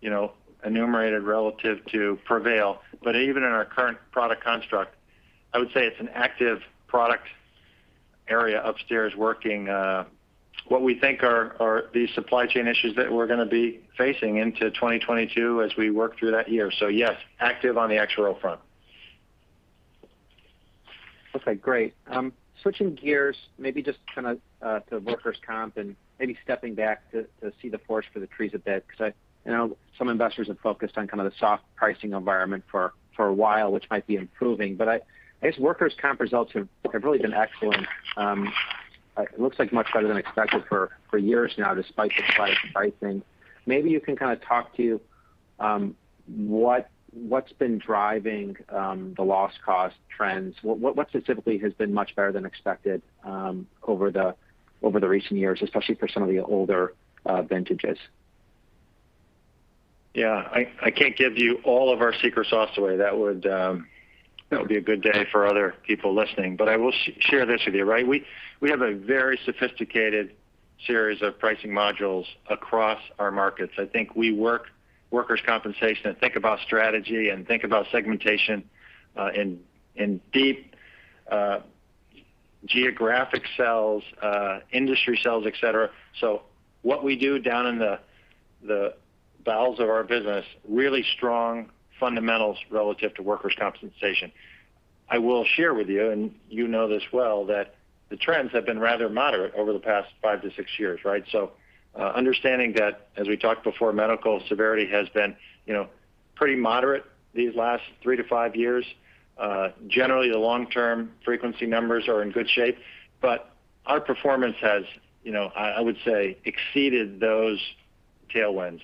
you know, enumerated relative to Prevail. Even in our current product construct, I would say it's an active product area upstairs working what we think are the supply chain issues that we're going to be facing into 2022 as we work through that year. Yes, active on the XRO front. Okay, great. Switching gears, maybe just kind of to workers' comp and maybe stepping back to see the forest for the trees a bit, because I know some investors have focused on kind of the soft pricing environment for a while, which might be improving. I guess workers' comp results have really been excellent. It looks like much better than expected for years now, despite the pricing. Maybe you can kind of talk to what's been driving the loss cost trends. What specifically has been much better than expected over the recent years, especially for some of the older vintages? Yeah, I can't give you all of our secret sauce away. That would be a good day for other people listening. But I will share this with you, right? We have a very sophisticated series of pricing modules across our markets. I think we work workers' compensation and think about strategy and think about segmentation in deep geographic cells, industry cells, et cetera. What we do down in the bowels of our business, really strong fundamentals relative to workers' compensation. I will share with you, and you know this well, that the trends have been rather moderate over the past 5-6 years, right? Understanding that, as we talked before, medical severity has been, you know, pretty moderate these last 3-5 years. Generally, the long-term frequency numbers are in good shape. Our performance has, you know, I would say, exceeded those tailwinds.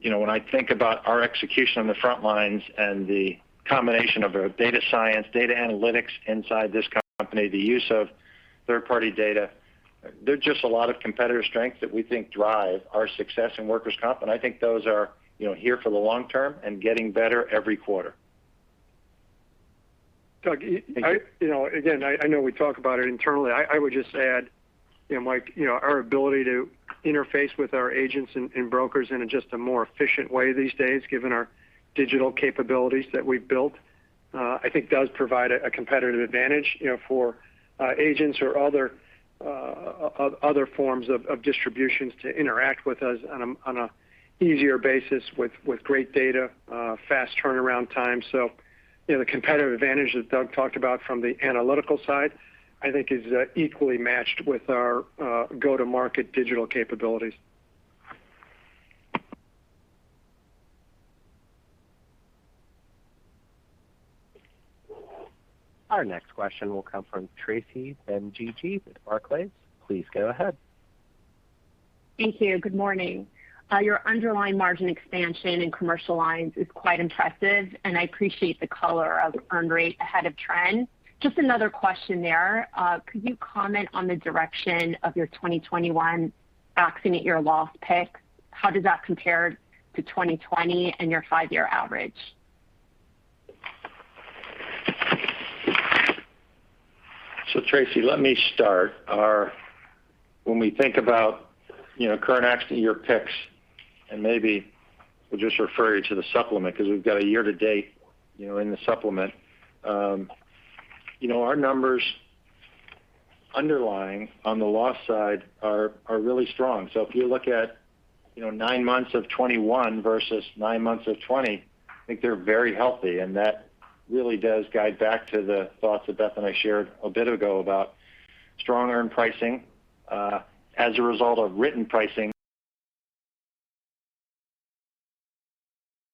You know, when I think about our execution on the front lines and the combination of our data science, data analytics inside this company, the use of third-party data, there are just a lot of competitive strengths that we think drive our success in workers' comp. I think those are, you know, here for the long term and getting better every quarter. Doug, you know, again, I know we talk about it internally. I would just add, you know, Mike, you know, our ability to interface with our agents and brokers in just a more efficient way these days, given our digital capabilities that we've built. I think does provide a competitive advantage, you know, for agents or other forms of distributions to interact with us on a easier basis with great data, fast turnaround time. You know, the competitive advantage that Doug talked about from the analytical side, I think is equally matched with our go-to-market digital capabilities. Our next question will come from Tracy Benguigui with Barclays. Please go ahead. Thank you. Good morning. Your underlying margin expansion in commercial lines is quite impressive, and I appreciate the color of earned rate ahead of trend. Just another question there. Could you comment on the direction of your 2021 accident year loss PIC? How does that compare to 2020 and your five-year average? Tracy, let me start. When we think about, you know, current accident year P&C, and maybe we'll just refer you to the supplement because we've got a year to date, you know, in the supplement. You know, our numbers underlying on the loss side are really strong. If you look at, you know, nine months of 2021 versus nine months of 2020, I think they're very healthy. That really does guide back to the thoughts that Beth and I shared a bit ago about strong earned pricing as a result of written pricing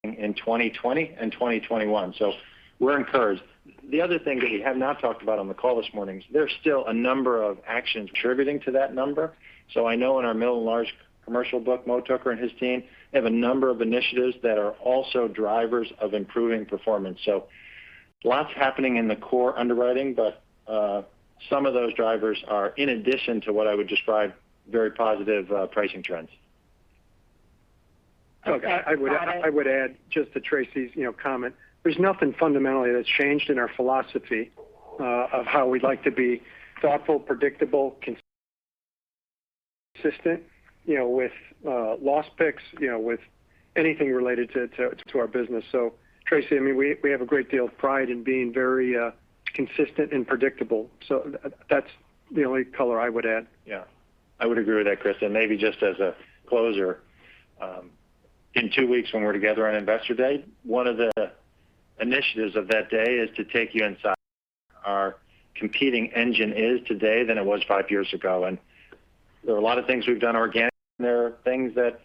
in 2020 and 2021. We're encouraged. The other thing that we have not talked about on the call this morning is there's still a number of actions contributing to that number. I know in our middle and large commercial book, Mo Tooker and his team have a number of initiatives that are also drivers of improving performance. Lots happening in the core underwriting, but some of those drivers are in addition to what I would describe very positive pricing trends. Okay. I would add just to Tracy's, you know, comment. There's nothing fundamentally that's changed in our philosophy of how we'd like to be thoughtful, predictable, consistent, you know, with loss picks, you know, with anything related to our business. Tracy, I mean, we have a great deal of pride in being very consistent and predictable. That's the only color I would add. Yeah. I would agree with that, Chris. Maybe just as a closer, in two weeks when we're together on Investor Day, one of the initiatives of that day is to take you inside our competitive engine is today than it was five years ago. There are a lot of things we've done organically, and there are things that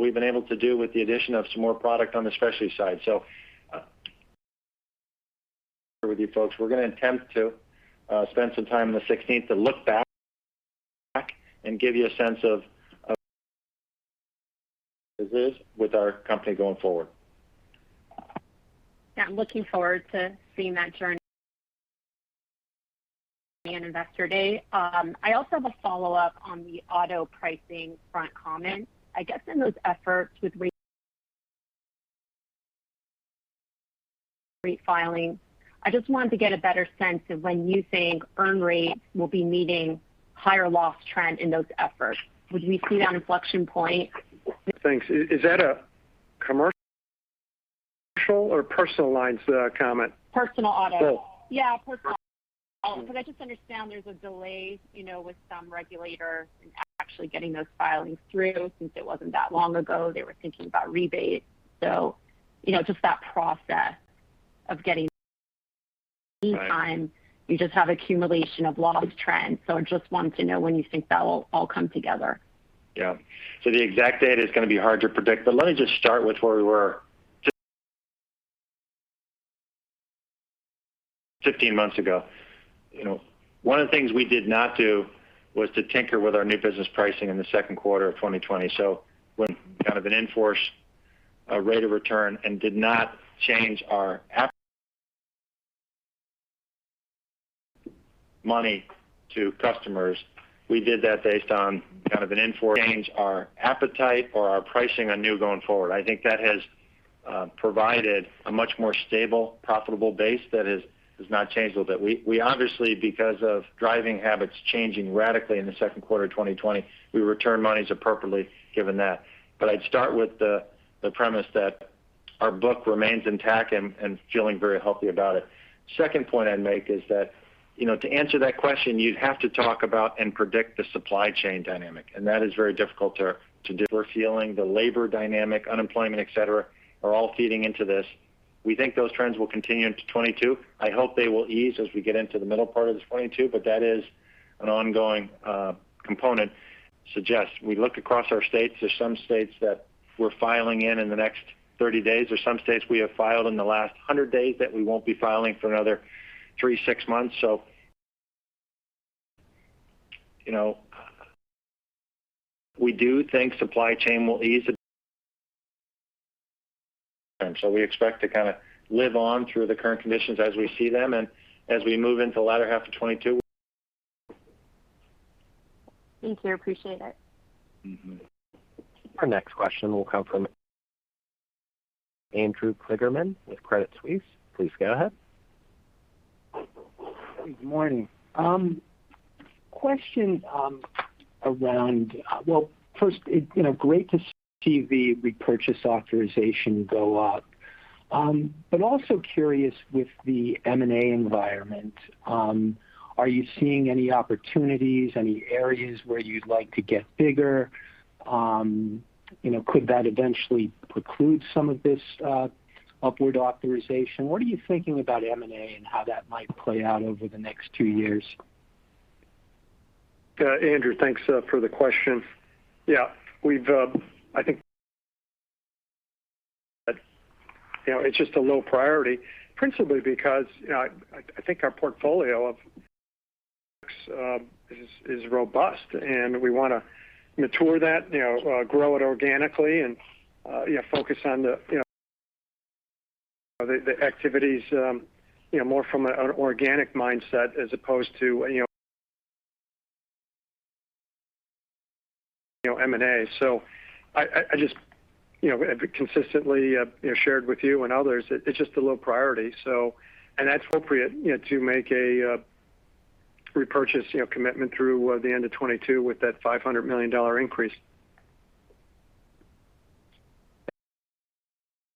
we've been able to do with the addition of some more product on the specialty side. With you folks, we're going to attempt to spend some time on the 16th to look back and give you a sense of this with our company going forward. Yeah, I'm looking forward to seeing that journey in Investor Day. I also have a follow-up on the auto pricing front comment. I guess in those efforts with re-filing, I just wanted to get a better sense of when you think earn rate will be meeting higher loss trend in those efforts. Would we see that inflection point? Thanks. Is that a commercial or personal lines comment? Personal auto. Personal. Yeah, personal auto, because I just understand there's a delay, you know, with some regulators in actually getting those filings through since it wasn't that long ago, they were thinking about rebate. You know, just that process of getting. Right. Meantime, you just have accumulation of loss trends. I just wanted to know when you think that will all come together. Yeah. The exact date is going to be hard to predict. Let me just start with where we were 15 months ago. You know, one of the things we did not do was to tinker with our new business pricing in the second quarter of 2020. We kind of an in-force rate increase and did not change our appetite to customers. We did that based on kind of an in-force change our appetite or our pricing on new going forward. I think that has provided a much more stable, profitable base that has not changed a little bit. We obviously, because of driving habits changing radically in the second quarter of 2020, we returned monies appropriately given that. I'd start with the premise that our book remains intact and feeling very healthy about it. Second point I'd make is that, you know, to answer that question, you'd have to talk about and predict the supply chain dynamic, and that is very difficult to do. We're feeling the labor dynamic, unemployment, et cetera, are all feeding into this. We think those trends will continue into 2022. I hope they will ease as we get into the middle part of this 2022, but that is an ongoing component. Suggest we look across our states. There's some states that we're filing in in the next 30 days. There's some states we have filed in the last 100 days that we won't be filing for another 3, 6 months. You know, we do think supply chain will ease. We expect to kind of live on through the current conditions as we see them. As we move into the latter half of 2022. Thank you. Appreciate it. Mm-hmm. Our next question will come from Andrew Kligerman with Credit Suisse. Please go ahead. Good morning. Well, first, you know, great to see the repurchase authorization go up. Also curious with the M&A environment, are you seeing any opportunities, any areas where you'd like to get bigger? You know, could that eventually preclude some of this upward authorization? What are you thinking about M&A and how that might play out over the next two years? Andrew, thanks for the question. Yeah. We, I think, you know, it's just a low priority, principally because, you know, I think our portfolio is robust, and we want to mature that, you know, grow it organically and, you know, focus on the, you know, the activities, you know, more from an organic mindset as opposed to, you know, M&A. I just, you know, have consistently, you know, shared with you and others that it's just a low priority. That's appropriate, you know, to make a repurchase, you know, commitment through the end of 2022 with that $500 million increase.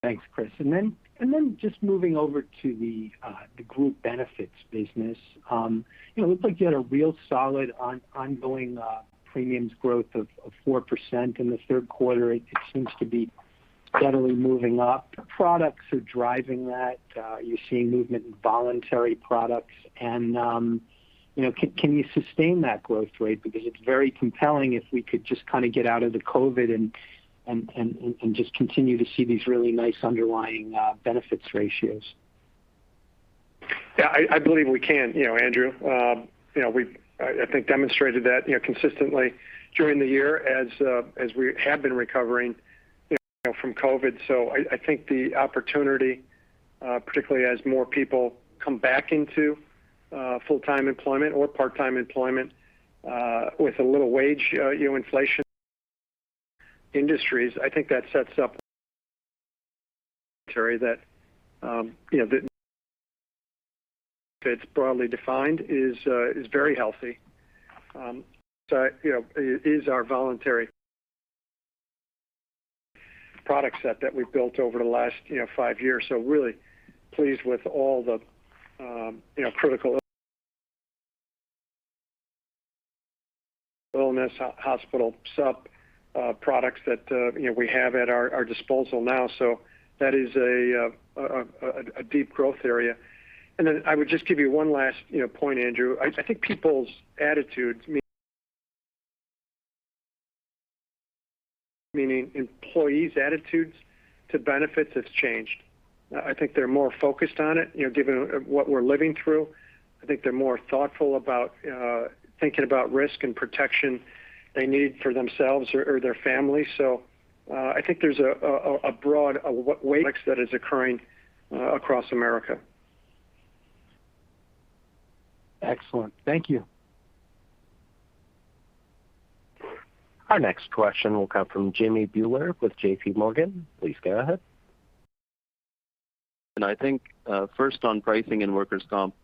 Thanks, Chris. Just moving over to the group benefits business. You know, it looks like you had a real solid ongoing premiums growth of 4% in the third quarter. It seems to be steadily moving up. Products are driving that. Are you seeing movement in voluntary products? You know, can you sustain that growth rate? Because it's very compelling if we could just kind of get out of the COVID and just continue to see these really nice underlying benefits ratios. Yeah, I believe we can, you know, Andrew. You know, we've, I think demonstrated that, you know, consistently during the year as we have been recovering, you know, from COVID. I think the opportunity, particularly as more people come back into full-time employment or part-time employment, with a little wage inflation in industries, I think that sets up that, you know, the benefits broadly defined is very healthy. You know, it is our voluntary product set that we've built over the last, you know, five years. Really pleased with all the, you know, critical illness, hospital indemnity products that, you know, we have at our disposal now. That is a deep growth area. I would just give you one last, you know, point, Andrew. I think people's attitudes meaning employees' attitudes to benefits has changed. I think they're more focused on it, you know, given what we're living through. I think they're more thoughtful about thinking about risk and protection they need for themselves or their family. I think there's a broad awareness that is occurring across America. Excellent. Thank you. Our next question will come from Jimmy Bhullar with J.P. Morgan. Please go ahead. I think first on pricing in workers' comp,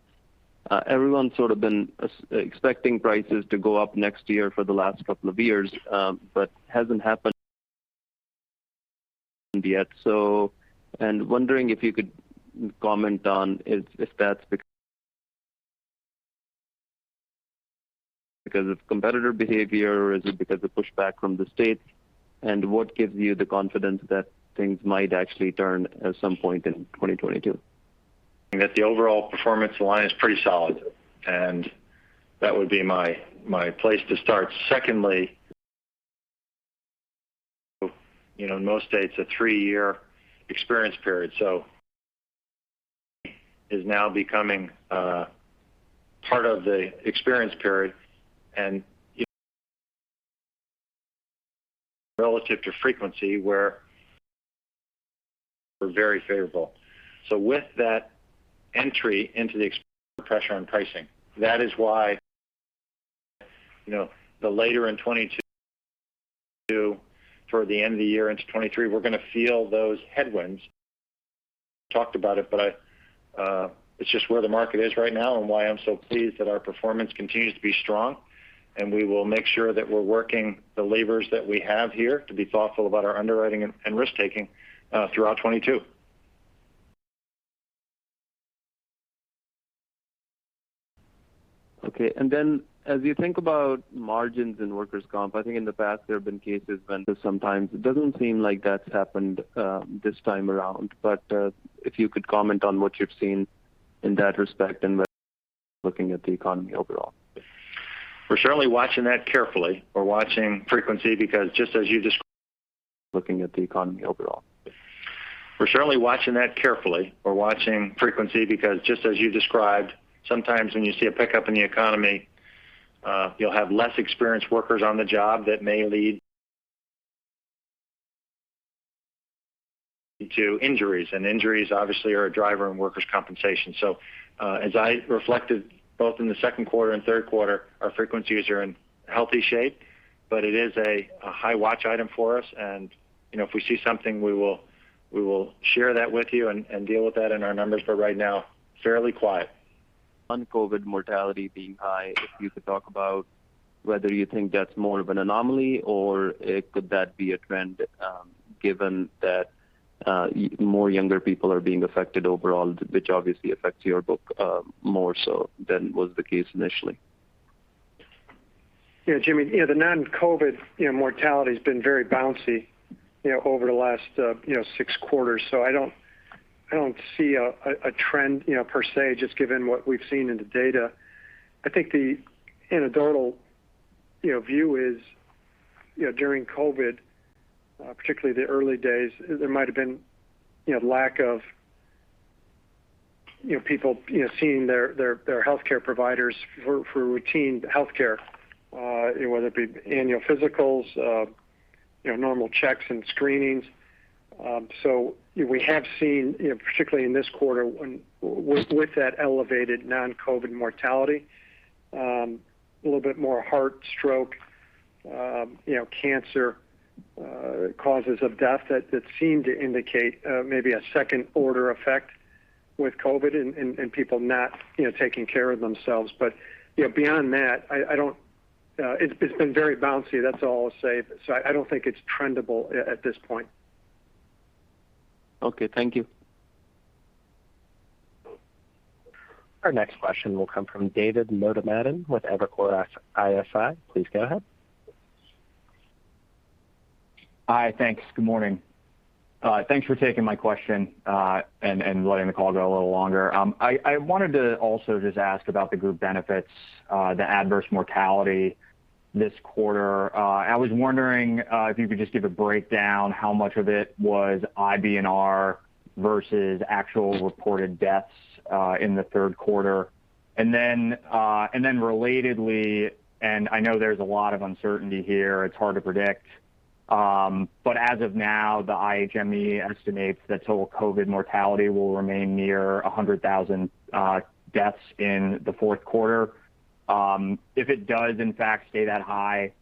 everyone's sort of been expecting prices to go up next year for the last couple of years, but hasn't happened yet. Wondering if you could comment on if that's because of competitor behavior, or is it because of pushback from the states? What gives you the confidence that things might actually turn at some point in 2022? That the overall personal lines is pretty solid, and that would be my place to start. Secondly, you know, in most states, a three-year experience period. 2021 is now becoming part of the experience period. You know, relative to frequency we're very favorable. With that entry into the experience pressure on pricing. That is why, you know, the later in 2022 toward the end of the year into 2023, we're gonna feel those headwinds we've talked about it, but it's just where the market is right now and why I'm so pleased that our performance continues to be strong, and we will make sure that we're working the levers that we have here to be thoughtful about our underwriting and risk-taking throughout 2022. Okay. As you think about margins in workers' comp, I think in the past there have been cases when sometimes it doesn't seem like that's happened, this time around. If you could comment on what you've seen in that respect and looking at the economy overall. We're certainly watching that carefully. We're watching frequency because just as you described, sometimes when you see a pickup in the economy, you'll have less experienced workers on the job that may lead to injuries, and injuries obviously are a driver in workers' compensation. As I reflected both in the second quarter and third quarter, our frequencies are in healthy shape, but it is a high watch item for us. You know, if we see something, we will share that with you and deal with that in our numbers, but right now, fairly quiet. On COVID mortality being high, if you could talk about whether you think that's more of an anomaly or could that be a trend, given that younger people are being affected overall, which obviously affects your book more so than was the case initially? Yeah, Jimmy. You know, the non-COVID mortality's been very bouncy, you know, over the last 6 quarters. I don't see a trend, you know, per se, just given what we've seen in the data. I think the anecdotal view is, you know, during COVID, particularly the early days, there might've been, you know, lack of people seeing their healthcare providers for routine healthcare, whether it be annual physicals, you know, normal checks and screenings. We have seen, you know, particularly in this quarter with that elevated non-COVID mortality, a little bit more heart, stroke, you know, cancer causes of death that seem to indicate maybe a second order effect with COVID and people not, you know, taking care of themselves. You know, beyond that, I don't know. It's been very bouncy. That's all I'll say. I don't think it's trendable at this point. Okay. Thank you. Our next question will come from David Motemaden with Evercore ISI. Please go ahead. Hi. Thanks. Good morning. Thanks for taking my question, and letting the call go a little longer. I wanted to also just ask about the group benefits, the adverse mortality this quarter. I was wondering if you could just give a breakdown how much of it was IBNR versus actual reported deaths in the third quarter. Relatedly, I know there's a lot of uncertainty here, it's hard to predict. As of now, the IHME estimates that total COVID mortality will remain near 100,000 deaths in the fourth quarter. If it does in fact stay that high,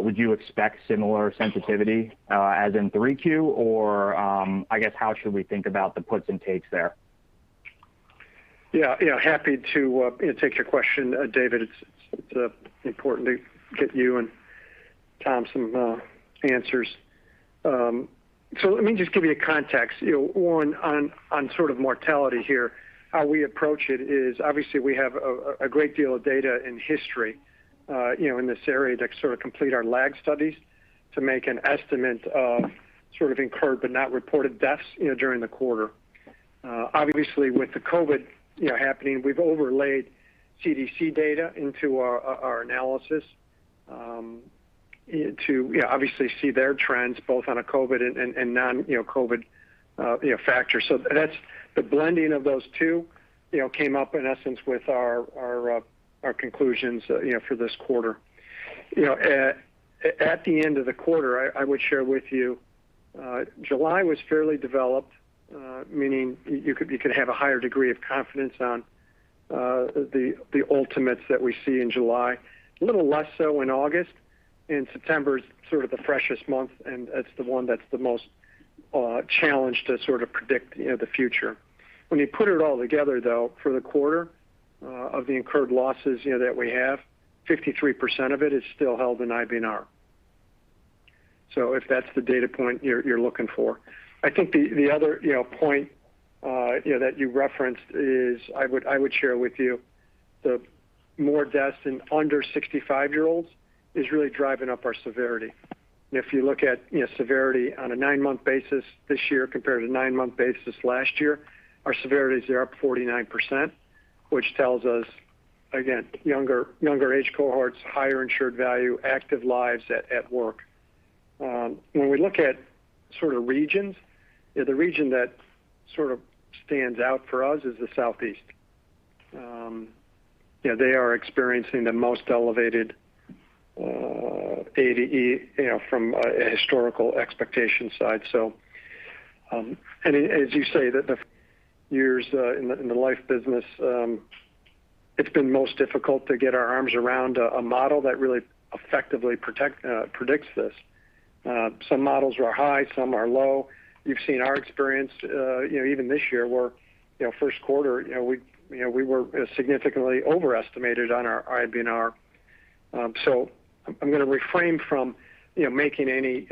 would you expect similar sensitivity as in 3Q? Or, I guess, how should we think about the puts and takes there? Yeah, you know, happy to take your question, David. It's important to get you and Tom some answers. Let me just give you a context. You know, one, on sort of mortality here, how we approach it is obviously we have a great deal of data and history, you know, in this area to sort of complete our lag studies to make an estimate of sort of incurred but not reported deaths, you know, during the quarter. Obviously with the COVID happening, we've overlaid CDC data into our analysis, to you know, obviously see their trends both on a COVID and non COVID factor. That's the blending of those two, you know, came up in essence with our conclusions, you know, for this quarter. You know, at the end of the quarter, I would share with you, July was fairly developed, meaning you could have a higher degree of confidence on the ultimates that we see in July. A little less so in August, and September's sort of the freshest month, and that's the one that's the most challenged to sort of predict, you know, the future. When you put it all together, though, for the quarter, of the incurred losses, you know, that we have, 53% of it is still held in IBNR. If that's the data point you're looking for. I think the other, you know, point you know that you referenced is I would share with you the more deaths in under 65-year-olds is really driving up our severity. If you look at, you know, severity on a nine-month basis this year compared to nine-month basis last year, our severity is up 49%, which tells us, again, younger age cohorts, higher insured value, active lives at work. When we look at sort of regions, the region that sort of stands out for us is the Southeast. You know, they are experiencing the most elevated ADE from a historical expectation side. As you say, the years in the life business, it's been most difficult to get our arms around a model that really effectively predicts this. Some models are high, some are low. You've seen our experience, you know, even this year where, you know, first quarter, you know, we were significantly overestimated on our IBNR. I'm going to refrain from making any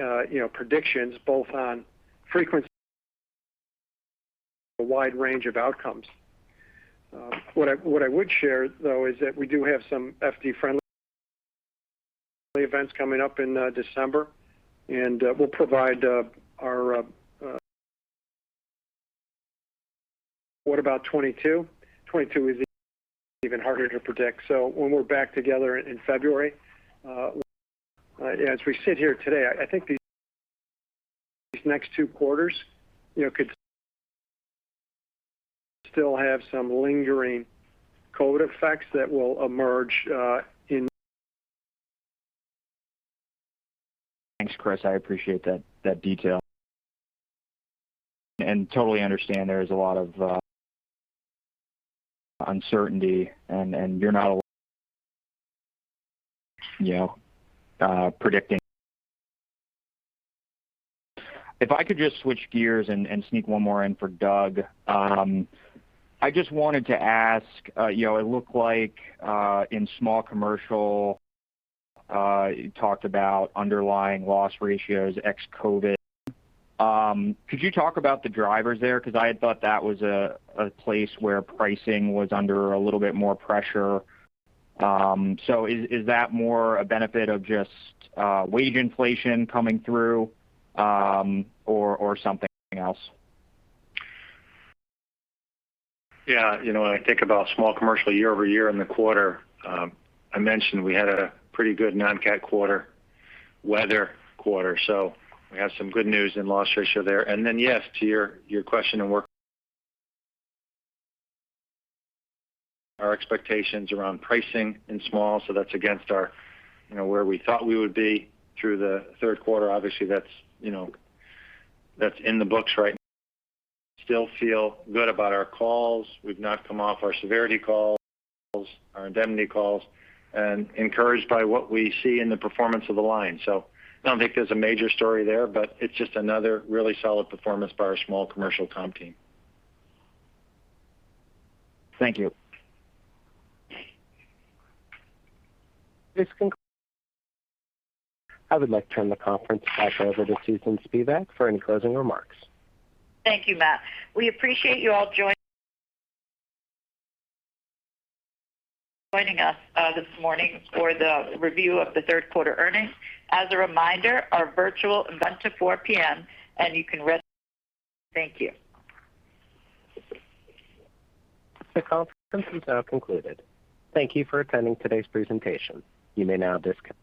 predictions both on frequency a wide range of outcomes. What I would share, though, is that we do have some FD-friendly events coming up in December, and we'll provide our what about 2022. 2022 is even harder to predict. When we're back together in February, as we sit here today, I think these next two quarters, you know, could still have some lingering COVID effects that will emerge, in- Thanks, Chris. I appreciate that detail and totally understand there's a lot of uncertainty and you're not, you know, predicting. If I could just switch gears and sneak one more in for Doug. I just wanted to ask, you know, it looked like in small commercial you talked about underlying loss ratios ex COVID. Could you talk about the drivers there? Because I had thought that was a place where pricing was under a little bit more pressure. So is that more a benefit of just wage inflation coming through, or something else? Yeah. You know, when I think about Small Commercial year over year in the quarter, I mentioned we had a pretty good non-CAT quarter, weather quarter. We have some good news in loss ratio there. Yes, to your question and our expectations around pricing in Small Commercial, so that's against our, you know, where we thought we would be through the third quarter. Obviously, that's, you know, that's in the books right. We still feel good about our calls. We've not come off our severity calls, our indemnity calls, and we're encouraged by what we see in the performance of the line. I don't think there's a major story there, but it's just another really solid performance by our Small Commercial comp team. Thank you. I would like to turn the conference back over to Susan Spivak for any closing remarks. Thank you, Matt. We appreciate you all joining us this morning for the review of the third quarter earnings. As a reminder, our virtual event till 4 P.M. The conference is now concluded. Thank you for attending today's presentation. You may now disconnect.